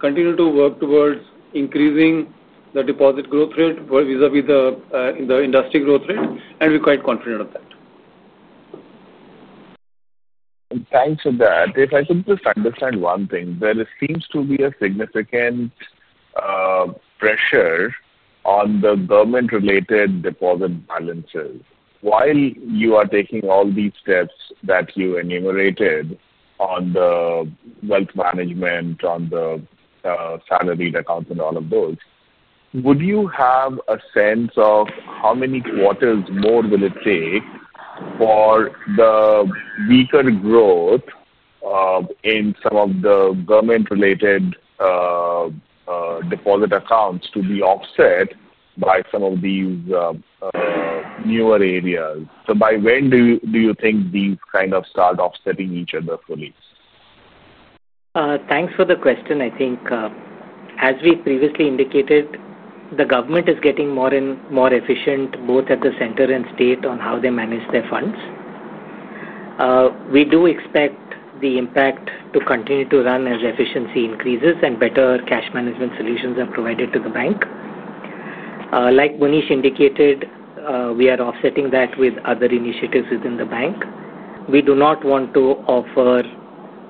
H: continue to work towards increasing the deposit growth rate vis-à-vis the industry growth rate. We're quite confident of that.
G: Thanks for that. If I could just understand one thing, there seems to be a significant pressure on the government-related deposit balances. While you are taking all these steps that you enumerated on the wealth management, on the salaried accounts, and all of those, would you have a sense of how many quarters more will it take for the weaker growth in some of the government-related deposit accounts to be offset by some of these newer areas? By when do you think these kind of start offsetting each other fully?
C: Thanks for the question. I think, as we previously indicated, the government is getting more and more efficient, both at the center and state, on how they manage their funds. We do expect the impact to continue to run as efficiency increases and better cash management solutions are provided to the bank. Like Munish indicated, we are offsetting that with other initiatives within the bank. We do not want to offer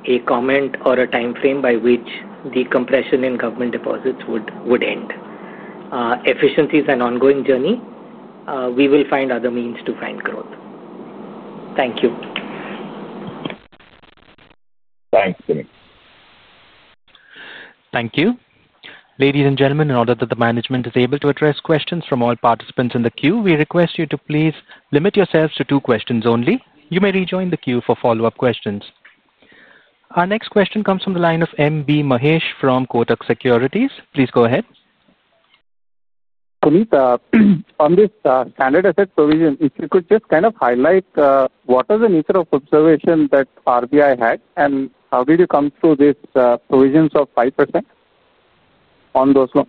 C: a comment or a timeframe by which the compression in government deposits would end. Efficiency is an ongoing journey. We will find other means to find growth. Thank you.
G: Thanks, Puneet.
A: Thank you. Ladies and gentlemen, in order that the management is able to address questions from all participants in the queue, we request you to please limit yourselves to two questions only. You may rejoin the queue for follow-up questions. Our next question comes from the line of M.B. Mahesh from Kotak Securities. Please go ahead.
I: Puneet, on this standard asset provision, if you could just kind of highlight what are the nature of observations that RBI had, and how did you come through these provisions of 5% on those loans?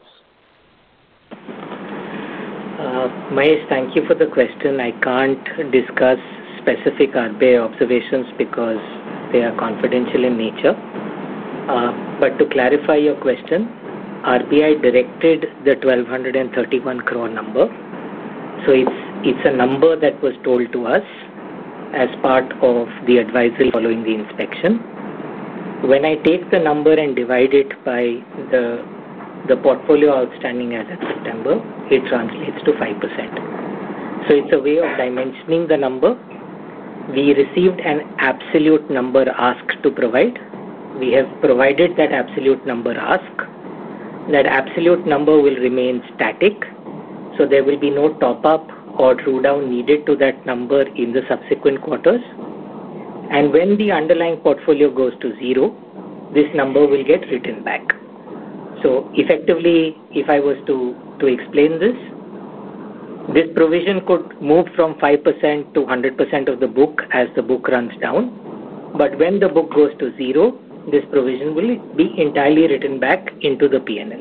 C: Mahesh, thank you for the question. I can't discuss specific RBI observations because they are confidential in nature. To clarify your question, RBI directed the 1,231 crore number. It's a number that was told to us as part of the advisory following the inspection. When I take the number and divide it by the portfolio outstanding as of September, it translates to 5%. It's a way of dimensioning the number. We received an absolute number ask to provide. We have provided that absolute number ask. That absolute number will remain static. There will be no top-up or true down needed to that number in the subsequent quarters. When the underlying portfolio goes to zero, this number will get written back. Effectively, if I was to explain this, this provision could move from 5% to 100% of the book as the book runs down. When the book goes to zero, this provision will be entirely written back into the P&L.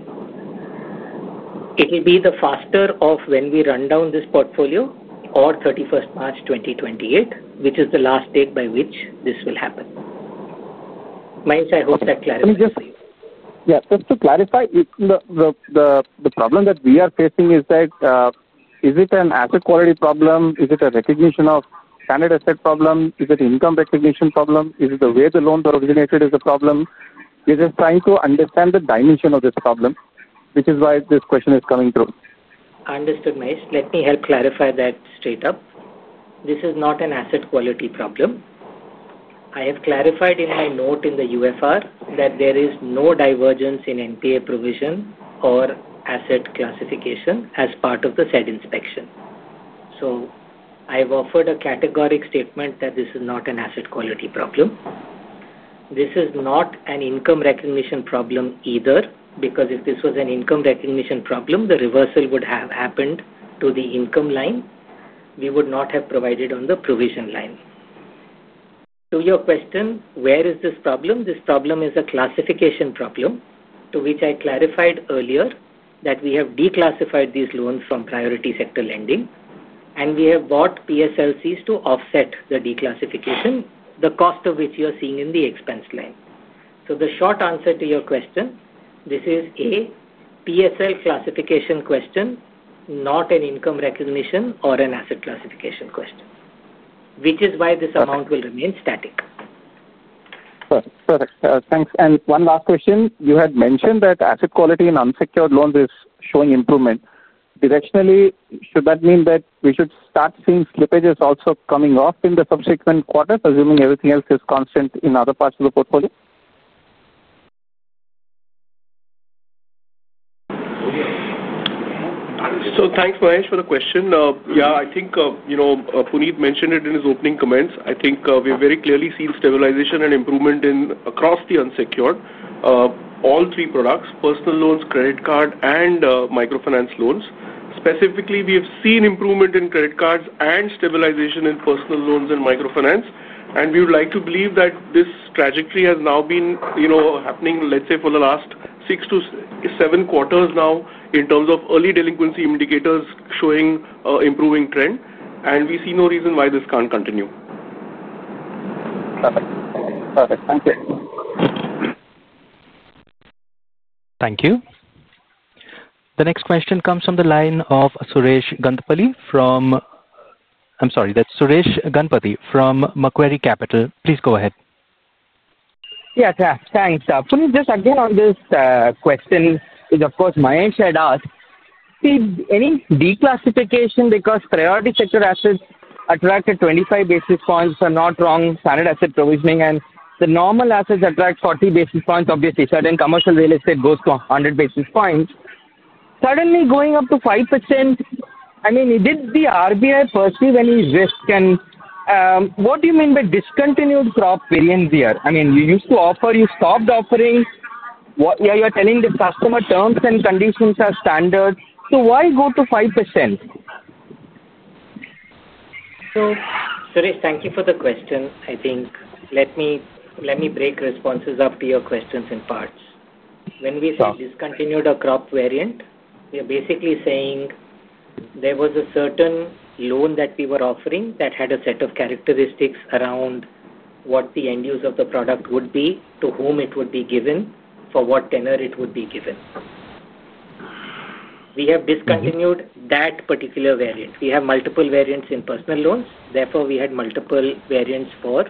C: It will be the faster of when we run down this portfolio or 31st March, 2028, which is the last date by which this will happen. Mahesh, I hope that clarifies for you.
I: Yes. Just to clarify, the problem that we are facing is that, is it an asset quality problem? Is it a recognition of standard asset problem? Is it an income recognition problem? Is it the way the loans are originated is a problem? We're just trying to understand the dimension of this problem, which is why this question is coming through.
C: Understood, Mahesh. Let me help clarify that straight up. This is not an asset quality problem. I have clarified in my note in the UFR that there is no divergence in NPA provision or asset classification as part of the said inspection. I have offered a categoric statement that this is not an asset quality problem. This is not an income recognition problem either, because if this was an income recognition problem, the reversal would have happened to the income line. We would not have provided on the provision line. To your question, where is this problem? This problem is a classification problem to which I clarified earlier that we have declassified these loans from priority sector lending, and we have bought PSLCs to offset the declassification, the cost of which you're seeing in the expense line. The short answer to your question, this is a PSL classification question, not an income recognition or an asset classification question, which is why this amount will remain static.
I: Perfect. Thanks. One last question. You had mentioned that asset quality in unsecured loans is showing improvement. Directionally, should that mean that we should start seeing slippages also coming off in the subsequent quarters, assuming everything else is constant in other parts of the portfolio? Yes.
H: Thank you, Mahesh, for the question. I think, you know, Puneet mentioned it in his opening comments. I think we've very clearly seen stabilization and improvement across the unsecured, all three products: personal loans, credit card, and microfinance loans. Specifically, we have seen improvement in credit cards and stabilization in personal loans and microfinance. We would like to believe that this trajectory has now been happening, let's say, for the last six to seven quarters now in terms of early delinquency indicators showing an improving trend. We see no reason why this can't continue.
I: Perfect. Thank you.
A: Thank you. The next question comes from the line of Suresh Ganapathy from Macquarie Capital. Please go ahead.
J: Yes, yes. Thanks. Puneet, just again on this question, which, of course, Mahesh had asked, see, any declassification because priority sector assets attracted 25 basis points, if I am not wrong, standard asset provisioning and the normal assets attract 40 basis points. Obviously, certain commercial real estate goes to 100 basis points. Suddenly going up to 5%, I mean, did the RBI perceive any risk? What do you mean by discontinued crop variants here? I mean, you used to offer, you stopped offering. What you're telling the customer, terms and conditions are standard. Why go to 5%?
C: Suresh, thank you for the question. I think let me break responses up to your questions in parts. When we say discontinued a crop variant, we are basically saying there was a certain loan that we were offering that had a set of characteristics around what the end use of the product would be, to whom it would be given, for what tenor it would be given. We have discontinued that particular variant. We have multiple variants in personal loans. Therefore, we had multiple variants for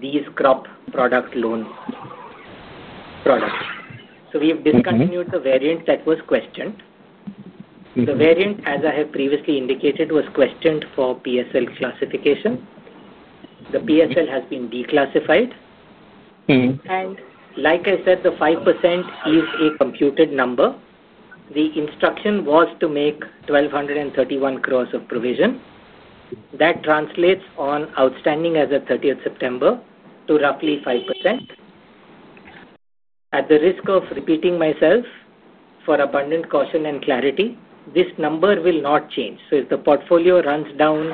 C: these crop product loan products. We have discontinued the variant that was questioned. The variant, as I have previously indicated, was questioned for PSL classification. The PSL has been declassified. Like I said, the 5% is a computed number. The instruction was to make 1,231 crore of provision. That translates on outstanding as of 30th September to roughly 5%. At the risk of repeating myself, for abundant caution and clarity, this number will not change. If the portfolio runs down,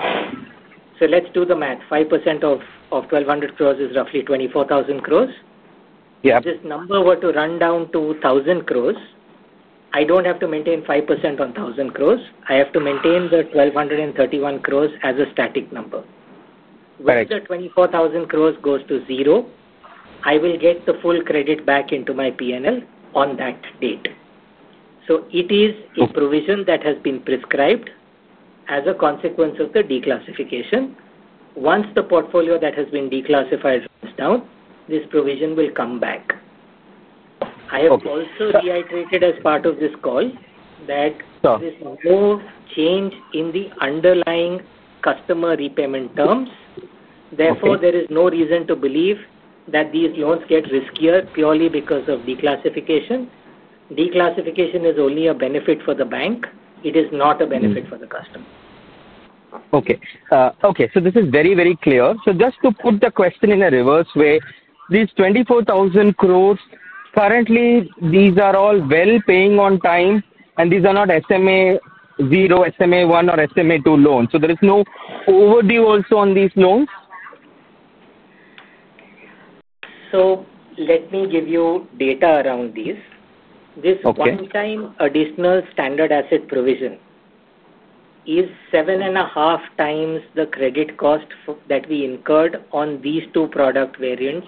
C: let's do the math. 5% of 24,000 crore is roughly 1,200 crore. If this number were to run down to 1,000 crore, I don't have to maintain 5% on 1,000 crore. I have to maintain the 1,231 crore as a static number. When the 24,000 crore goes to zero, I will get the full credit back into my P&L on that date. It is a provision that has been prescribed as a consequence of the declassification. Once the portfolio that has been declassified runs down, this provision will come back. I have also reiterated as part of this call that there is no change in the underlying customer repayment terms. Therefore, there is no reason to believe that these loans get riskier purely because of declassification. Declassification is only a benefit for the bank. It is not a benefit for the customer.
J: Okay. Okay. This is very, very clear. Just to put the question in a reverse way, these 24,000 crores, currently, these are all well paying on time, and these are not SMA 0, SMA 1, or SMA 2 loans. There is no overdue also on these loans.
C: Let me give you data around these. This one-time additional standard asset provision is seven and a half times the credit cost that we incurred on these two product variants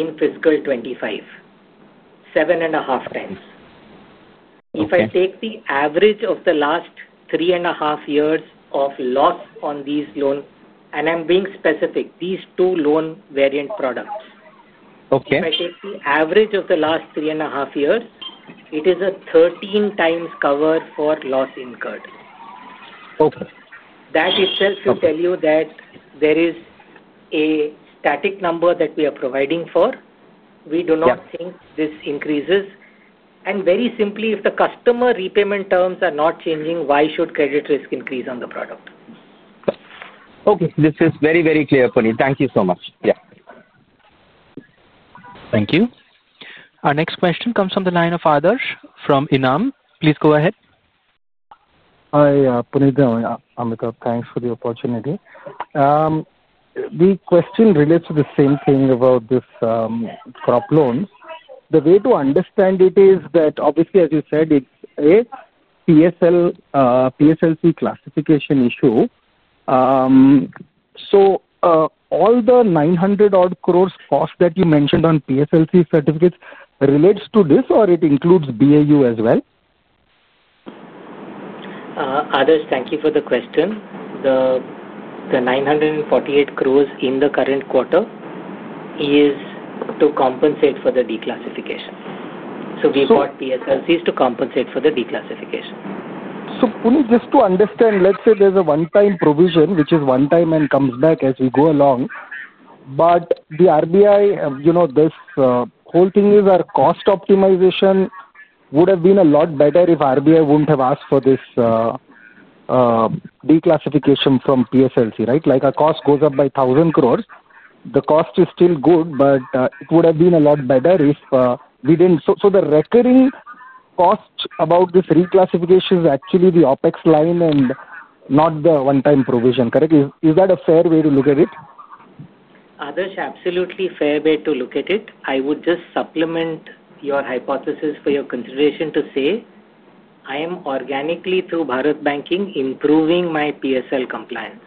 C: in fiscal 2025. Seven and a half times. If I take the average of the last three and a half years of loss on these loans, and I'm being specific, these two loan variant products, if I take the average of the last three and a half years, it is a 13 times cover for loss incurred. That itself will tell you that there is a static number that we are providing for. We do not think this increases. Very simply, if the customer repayment terms are not changing, why should credit risk increase on the product.
J: This is very, very clear, Puneet. Thank you so much. Yeah.
A: Thank you. Our next question comes from the line of Aadharsh from Enam. Please go ahead. Hi, Puneet, Amitabh. Thanks for the opportunity. The question relates to the same thing about this crop loans. The way to understand it is that, obviously, as you said, it's a PSLC classification issue. All the 900-odd crores cost that you mentioned on PSLC certificates relates to this, or it includes BAU as well?
C: Aadharsh, thank you for the question. The 948 crore in the current quarter is to compensate for the declassification. We bought PSLCs to compensate for the declassification. Puneet, just to understand, let's say there's a one-time provision, which is one-time and comes back as we go along. The RBI, you know, this whole thing is our cost optimization would have been a lot better if RBI wouldn't have asked for this declassification from PSLC, right? Like our cost goes up by 1,000 crore, the cost is still good, but it would have been a lot better if we didn't. The recurring cost about this reclassification is actually the OpEx line and not the one-time provision, correct? Is that a fair way to look at it? Aadharsh, absolutely a fair way to look at it. I would just supplement your hypothesis for your consideration to say, I am organically through Bharat Banking improving my PSL compliance.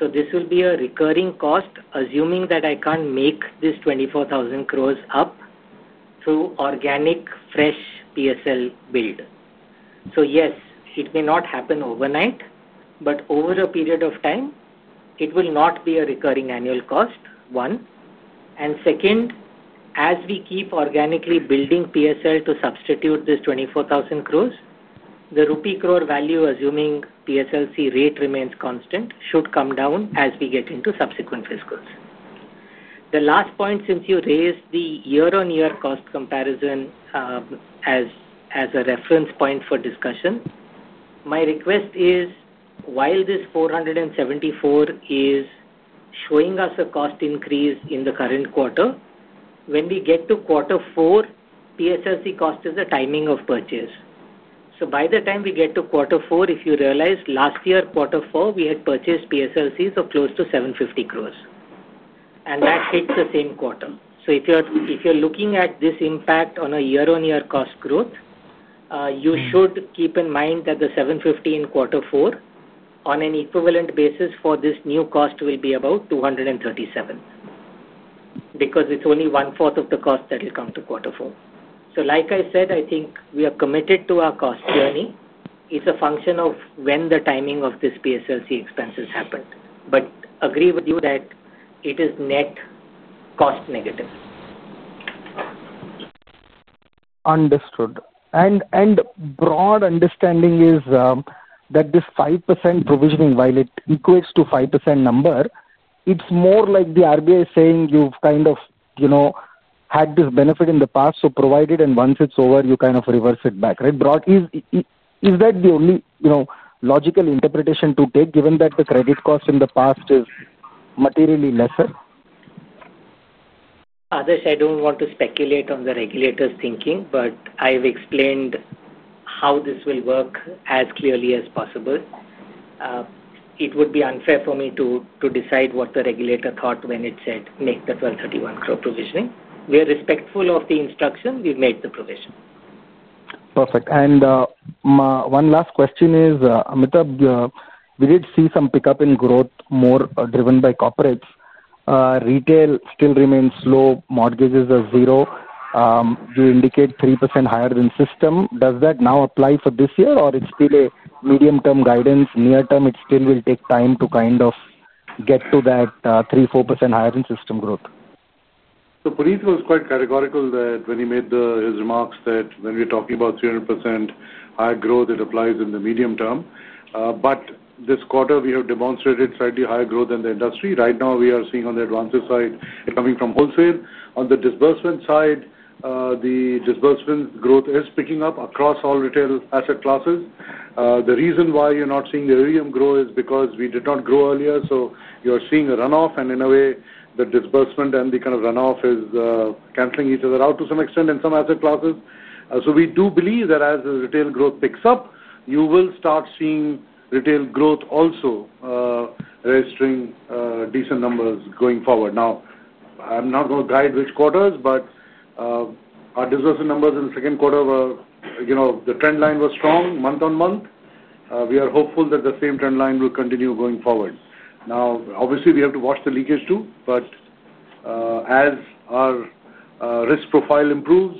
C: This will be a recurring cost, assuming that I can't make this 24,000 crore up through organic fresh PSL build. Yes, it may not happen overnight, but over a period of time, it will not be a recurring annual cost, one. Second, as we keep organically building PSL to substitute this 24,000 crore, the rupee crore value, assuming PSLC rate remains constant, should come down as we get into subsequent fiscals. The last point, since you raised the year-on-year cost comparison as a reference point for discussion, my request is, while this 474 is showing us a cost increase in the current quarter, when we get to quarter four, PSLC cost is a timing of purchase. By the time we get to quarter four, if you realize, last year, quarter four, we had purchased PSLCs of close to 750 crore. That hit the same quarter. If you're looking at this impact on a year-on-year cost growth, you should keep in mind that the 750 in quarter four, on an equivalent basis for this new cost, will be about 237 because it's only one-fourth of the cost that will come to quarter four. Like I said, I think we are committed to our cost journey. It's a function of when the timing of this PSLC expenses happened. I agree with you that it is net cost negative. Understood. The broad understanding is that this 5% provisioning, while it equates to a 5% number, it's more like the RBI is saying you've kind of had this benefit in the past, so provide it, and once it's over, you reverse it back, right? Is that the only logical interpretation to take, given that the credit cost in the past is materially lesser? Aadharsh, I don't want to speculate on the regulator's thinking, but I've explained how this will work as clearly as possible. It would be unfair for me to decide what the regulator thought when it said make the 1.231 billion provisioning. We are respectful of the instruction. We've made the provision. Perfect. One last question is, Amitabh, we did see some pickup in growth, more driven by corporates. Retail still remains low. Mortgages are zero. You indicate 3% higher than system. Does that now apply for this year, or is it still a medium-term guidance? Near-term, it still will take time to kind of get to that 3% - 4% higher in system growth.
B: Puneet was quite categorical that when he made his remarks that when we're talking about 300% higher growth, it applies in the medium term. This quarter, we have demonstrated slightly higher growth than the industry. Right now, we are seeing on the advances side, it's coming from wholesale. On the disbursement side, the disbursement growth is picking up across all retail asset classes. The reason why you're not seeing the OEM grow is because we did not grow earlier. You're seeing a runoff. In a way, the disbursement and the kind of runoff is canceling each other out to some extent in some asset classes. We do believe that as the retail growth picks up, you will start seeing retail growth also registering decent numbers going forward. I'm not going to guide which quarters, but our disbursement numbers in the second quarter were, you know, the trend line was strong month on month. We are hopeful that the same trend line will continue going forward. Obviously, we have to watch the leakage too. As our risk profile improves,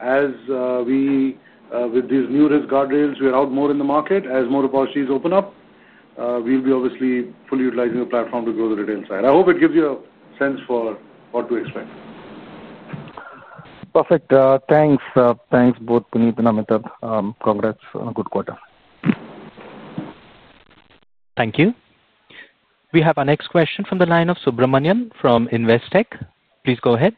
B: as we, with these new risk guardrails, we are out more in the market, as more opportunities open up, we'll be obviously fully utilizing the platform to grow the retail side. I hope it gives you a sense for what to expect. Perfect. Thanks. Thanks both, Puneet and Amitabh. Congrats on a good quarter.
A: Thank you. We have our next question from the line of Subramanian from Investec. Please go ahead.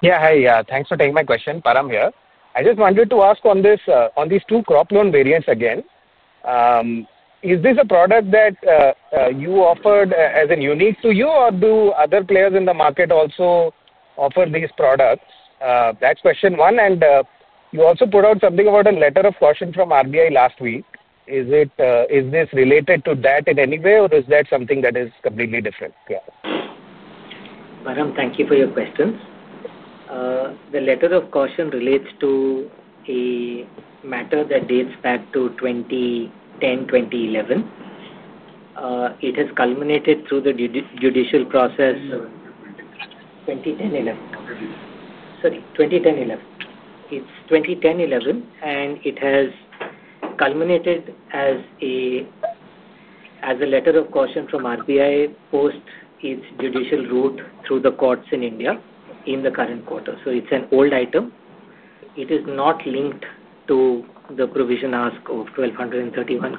K: Yeah. Hi. Thanks for taking my question. Param here. I just wanted to ask on these two discontinued crop loan variants again. Is this a product that you offered as unique to you? Do other players in the market also offer these products? That's question one. You also put out something about a letter of caution from the RBI last week. Is this related to that in any way, or is that something that is completely different?
C: Varun, thank you for your questions. The letter of caution relates to a matter that dates back to 2010, 2011. It has culminated through the judicial process. Sorry, 2010, 2011? Sorry, 2010-2011. It's 2010-2011, and it has culminated as a letter of caution from the Reserve Bank of India post its judicial route through the courts in India in the current quarter. It's an old item. It is not linked to the provision asked of 1,231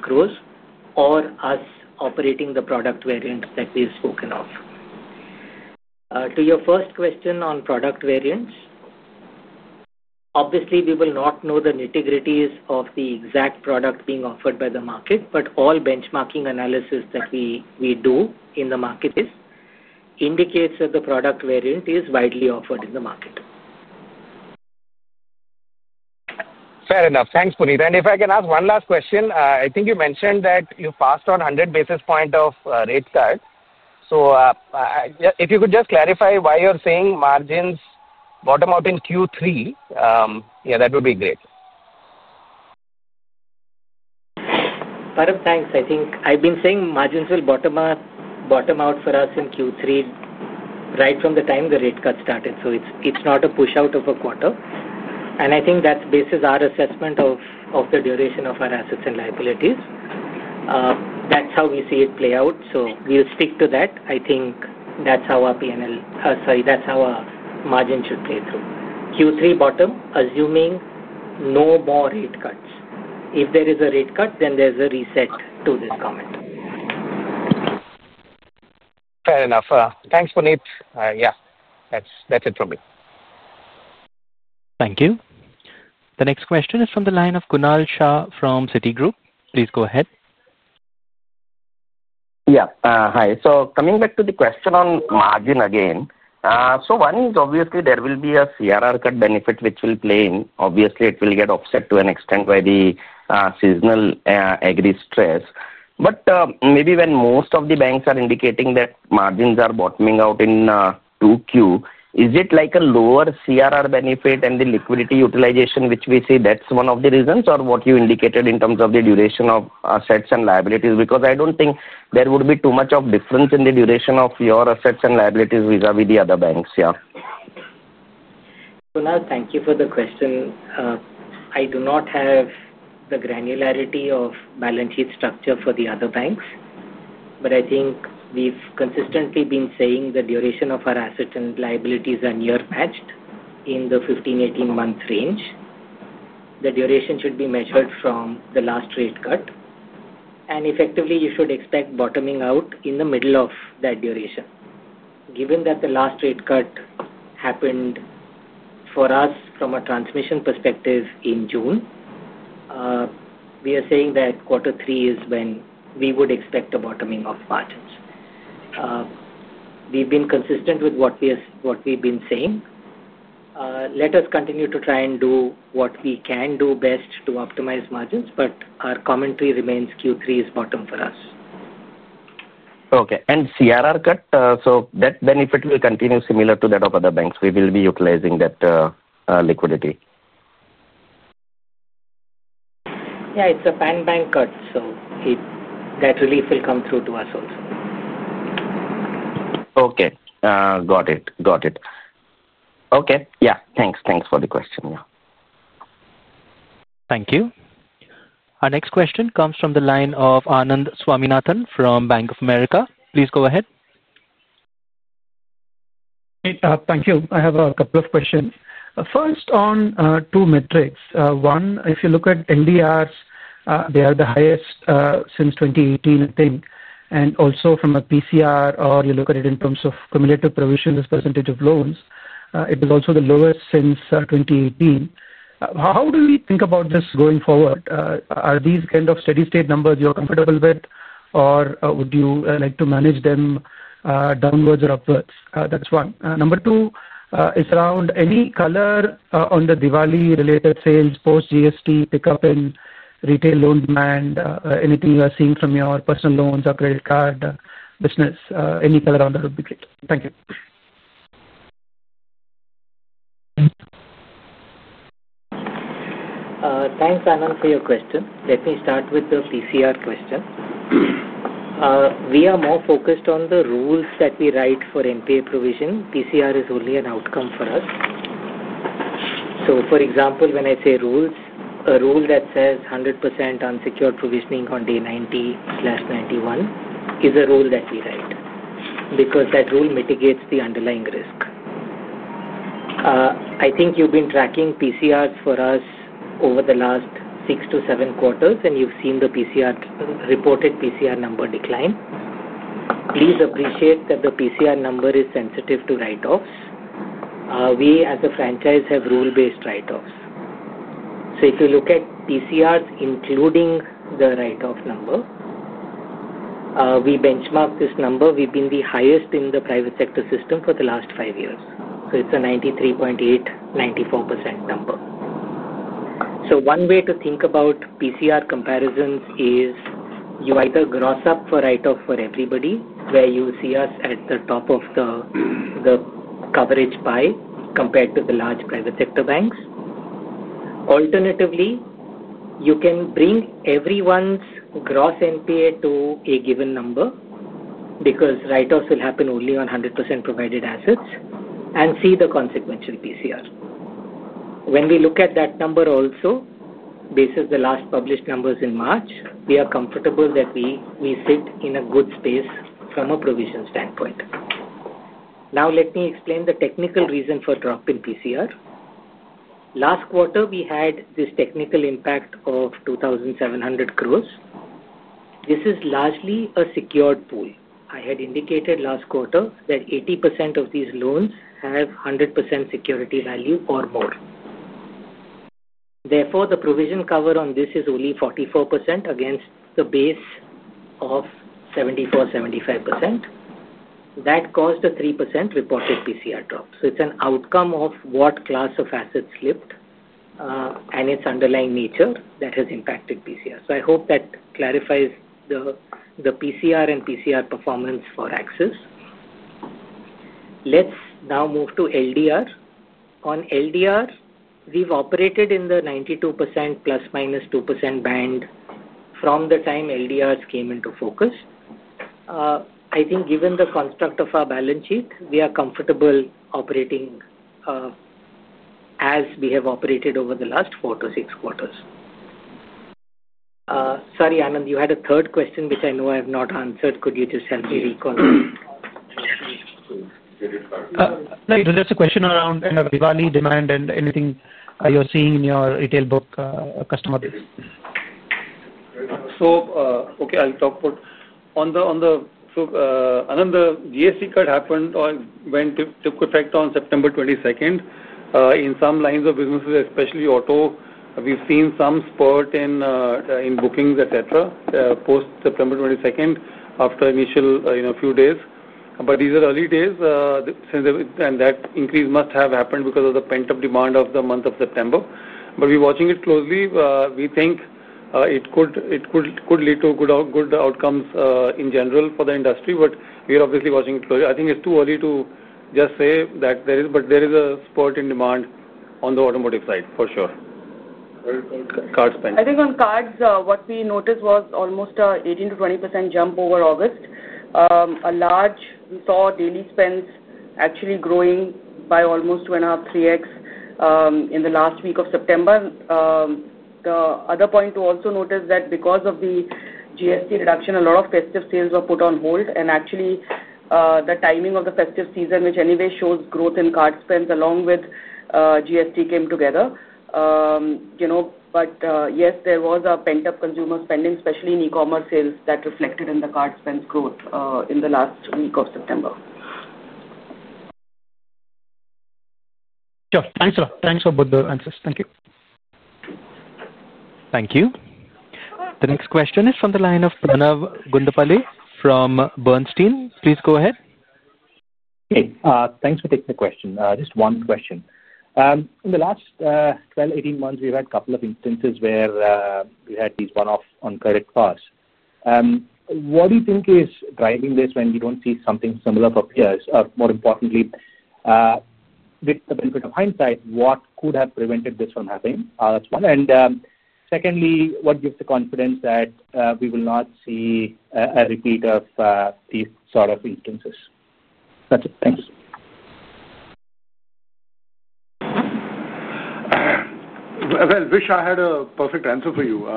C: or us operating the product variants that we have spoken of. To your first question on product variants, obviously, we will not know the nitty-gritties of the exact product being offered by the market, but all benchmarking analysis that we do in the market indicates that the product variant is widely offered in the market.
K: Fair enough. Thanks, Puneet. If I can ask one last question, I think you mentioned that you passed on 100 basis points of rate cut. If you could just clarify why you're saying margins bottom out in Q3, yeah, that would be great.
C: Varun, thanks. I think I've been saying margins will bottom out for us in Q3 right from the time the rate cut started. It's not a push-out of a quarter. I think that bases our assessment of the duration of our assets and liabilities. That's how we see it play out. We'll stick to that. I think that's how our P&L, sorry, that's how our margin should play through. Q3 bottom, assuming no more rate cuts. If there is a rate cut, then there's a reset to this comment.
K: Fair enough. Thanks, Puneet. Yeah, that's it from me.
A: Thank you. The next question is from the line of Kunal Shah from Citigroup. Please go ahead.
L: Yeah. Hi. Coming back to the question on margin again, one is obviously there will be a CRR cut benefit which will play in. Obviously, it will get offset to an extent by the seasonal aggregate stress. When most of the banks are indicating that margins are bottoming out in Q2, is it like a lower CRR benefit and the liquidity utilization which we see? That's one of the reasons or what you indicated in terms of the duration of assets and liabilities because I don't think there would be too much of a difference in the duration of your assets and liabilities vis-à-vis the other banks. Yeah.
C: Kunal, thank you for the question. I do not have the granularity of balance sheet structure for the other banks, but I think we've consistently been saying the duration of our assets and liabilities are near matched in the 15, 18 months range. The duration should be measured from the last rate cut. Effectively, you should expect bottoming out in the middle of that duration. Given that the last rate cut happened for us from a transmission perspective in June, we are saying that quarter three is when we would expect a bottoming of margins. We've been consistent with what we've been saying. Let us continue to try and do what we can do best to optimize margins, but our commentary remains Q3 is bottom for us.
L: Okay. The CRR cut, so that benefit will continue similar to that of other banks. We will be utilizing that liquidity.
C: Yeah, it's a fan bank cut. That relief will come through to us also.
L: Okay. Got it. Okay. Yeah. Thanks. Thanks for the question. Yeah.
A: Thank you. Our next question comes from the line of Anand Swaminathan from Bank of America. Please go ahead.
M: Thank you. I have a couple of questions. First, on two metrics. One, if you look at NDRs, they are the highest since 2018, I think. Also, from a PCR, or you look at it in terms of cumulative provisions, this % of loans, it is also the lowest since 2018. How do we think about this going forward? Are these kind of steady-state numbers you're comfortable with, or would you like to manage them downwards or upwards? That's one. Number two is around any color on the Diwali-related sales post-GST pickup in retail loan demand, anything you are seeing from your personal loans or credit card business. Any color on that would be great. Thank you.
C: Thanks, Anand, for your question. Let me start with the PCR question. We are more focused on the rules that we write for MPA provision. PCR is only an outcome for us. For example, when I say rules, a rule that says 100% unsecured provisioning on day 90/91 is a rule that we write because that rule mitigates the underlying risk. I think you've been tracking PCRs for us over the last six to seven quarters, and you've seen the reported PCR number decline. Please appreciate that the PCR number is sensitive to write-offs. We, as a franchise, have rule-based write-offs. If you look at PCRs, including the write-off number, we benchmark this number. We've been the highest in the private sector system for the last five years. It's a 93.8%, 94% number. One way to think about PCR comparisons is you either gross up for write-off for everybody, where you see us at the top of the coverage pie compared to the large private sector banks. Alternatively, you can bring everyone's gross MPA to a given number because write-offs will happen only on 100% provided assets and see the consequential PCR. When we look at that number also, basis the last published numbers in March, we are comfortable that we sit in a good space from a provision standpoint. Now, let me explain the technical reason for drop in PCR. Last quarter, we had this technical impact of 2,700 crore. This is largely a secured pool. I had indicated last quarter that 80% of these loans have 100% security value or more. Therefore, the provision cover on this is only 44% against the base of 74%, 75%. That caused the 3% reported PCR drop. It's an outcome of what class of assets slipped and its underlying nature that has impacted PCR. I hope that clarifies the PCR and PCR performance for Axis Bank. Let's now move to LDR. On LDR, we've operated in the 92%+ -2% band from the time LDRs came into focus. I think given the construct of our balance sheet, we are comfortable operating as we have operated over the last four to six quarters. Sorry, Anand, you had a third question, which I know I have not answered. Could you just help me recall?
M: No, it's okay. There's a question around kind of Diwali demand and anything you're seeing in your retail book customer base.
H: I'll talk for Anand. The GST cut happened or went into effect on September 22nd, 2023. In some lines of businesses, especially auto, we've seen some spurt in bookings, etc., post September 22nd after the initial few days. These are early days, and that increase must have happened because of the pent-up demand of the month of September. We're watching it closely. We think it could lead to good outcomes in general for the industry. We are obviously watching it closely. I think it's too early to just say that there is, but there is a spurt in demand on the automotive side for sure. Card spend. I think on cards, what we noticed was almost an 18% - 20% jump over August. We saw daily spends actually growing by almost 2.5, 3X in the last week of September. The other point to also notice is that because of the GST reduction, a lot of festive sales were put on hold. Actually, the timing of the festive season, which anyway shows growth in card spend along with GST, came together. Yes, there was a pent-up consumer spending, especially in e-commerce sales, that reflected in the card spend growth in the last week of September.
M: Sure. Thanks a lot. Thanks for both the answers. Thank you.
A: Thank you. The next question is from the line of Pranav Gundlapalle from Bernstein. Please go ahead.
N: Hey, thanks for taking the question. Just one question. In the last 12, 18 months, we've had a couple of instances where we had these one-offs on credit cards. What do you think is driving this when you don't see something similar for peers? More importantly, with the benefit of hindsight, what could have prevented this from happening? That's one. Secondly, what gives the confidence that we will not see a repeat of these sort of instances? That's it. Thanks.
B: I wish I had a perfect answer for you.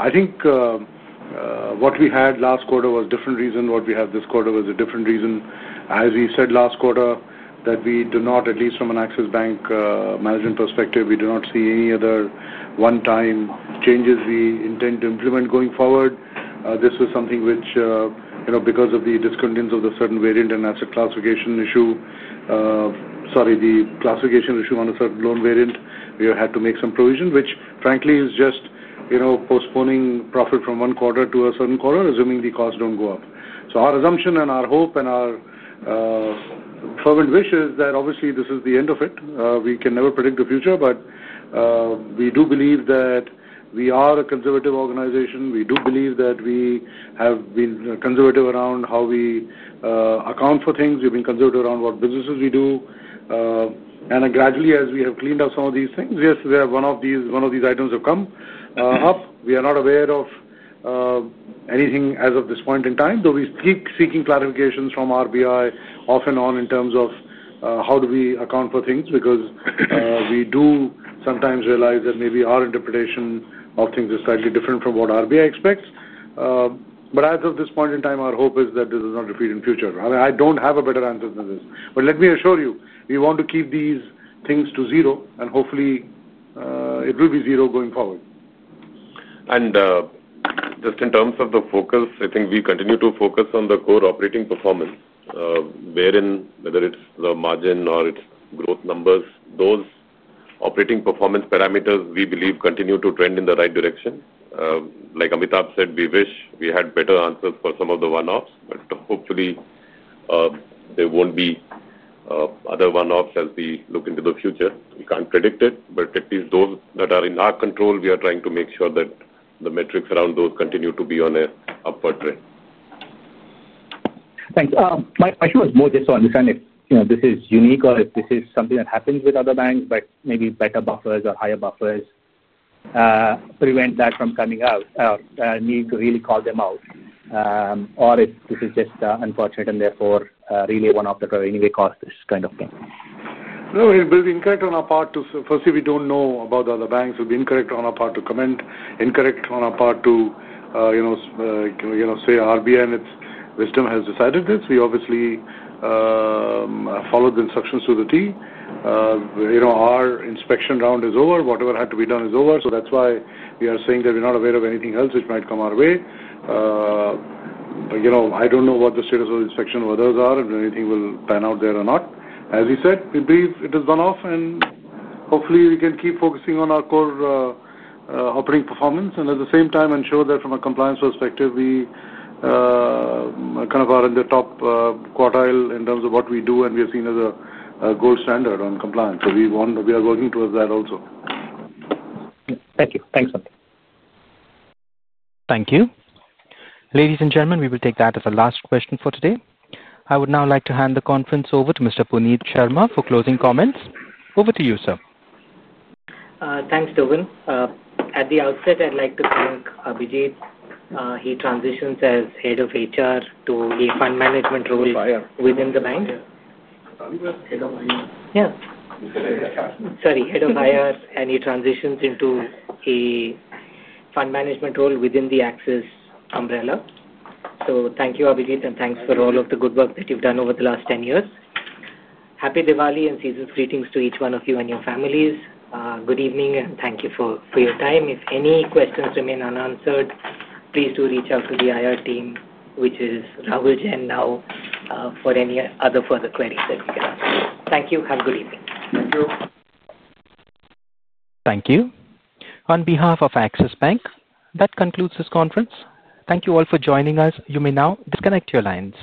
B: I think what we had last quarter was a different reason. What we have this quarter was a different reason. As we've said last quarter, that we do not, at least from an Axis Bank management perspective, we do not see any other one-time changes we intend to implement going forward. This was something which, you know, because of the discontinuance of a certain variant and asset classification issue, sorry, the classification issue on a certain loan variant, we had to make some provision, which frankly is just postponing profit from one quarter to a certain quarter, assuming the costs don't go up. Our assumption and our hope and our fervent wish is that obviously this is the end of it. We can never predict the future, but we do believe that we are a conservative organization. We do believe that we have been conservative around how we account for things. We've been conservative around what businesses we do. Gradually, as we have cleaned up some of these things, yes, one of these items have come up. We are not aware of anything as of this point in time, though we're seeking clarifications from RBI off and on in terms of how do we account for things because we do sometimes realize that maybe our interpretation of things is slightly different from what RBI expects. As of this point in time, our hope is that this does not repeat in the future. I don't have a better answer than this. Let me assure you, we want to keep these things to zero, and hopefully, it will be zero going forward. In terms of the focus, I think we continue to focus on the core operating performance, wherein whether it's the margin or its growth numbers, those operating performance parameters we believe continue to trend in the right direction. Like Amitabh Chaudhry said, we wish we had better answers for some of the one-offs, but hopefully, there won't be other one-offs as we look into the future. We can't predict it, but at least those that are in our control, we are trying to make sure that the metrics around those continue to be on an upward trend.
C: Thanks. My issue was more just to understand if this is unique or if this is something that happens with other banks, maybe better buffers or higher buffers prevent that from coming out, need to really call them out, or if this is just unfortunate and therefore really one-off that were anyway caused this kind of thing.
B: It would be incorrect on our part to comment. It would be incorrect on our part to say RBI in its wisdom has decided this. We obviously followed the instructions to the T. Our inspection round is over. Whatever had to be done is over. That is why we are saying that we're not aware of anything else which might come our way. I don't know what the status of the inspection with others is, if anything will pan out there or not. As he said, we believe it is one-off, and hopefully, we can keep focusing on our core operating performance and at the same time ensure that from a compliance perspective, we are in the top quartile in terms of what we do and we are seen as a gold standard on compliance. We are working towards that also.
N: Thank you. Thanks, Anand.
A: Thank you. Ladies and gentlemen, we will take that as the last question for today. I would now like to hand the conference over to Mr. Puneet Sharma for closing comments. Over to you, sir.
C: Thanks, Devin. At the outset, I'd like to thank Abhijit. He transitions as Head of HR to a fund management role within the bank. Head of HR, and he transitions into a fund management role within the Axis umbrella. Thank you, Abhijit, and thanks for all of the good work that you've done over the last 10 years. Happy Diwali and season's greetings to each one of you and your families. Good evening, and thank you for your time. If any questions remain unanswered, please do reach out to the IR team, which is Rahul Jain Lao, for any other further queries that you can ask. Thank you. Have a good evening.
B: Thank you.
A: Thank you. On behalf of Axis Bank, that concludes this conference. Thank you all for joining us. You may now disconnect your lines.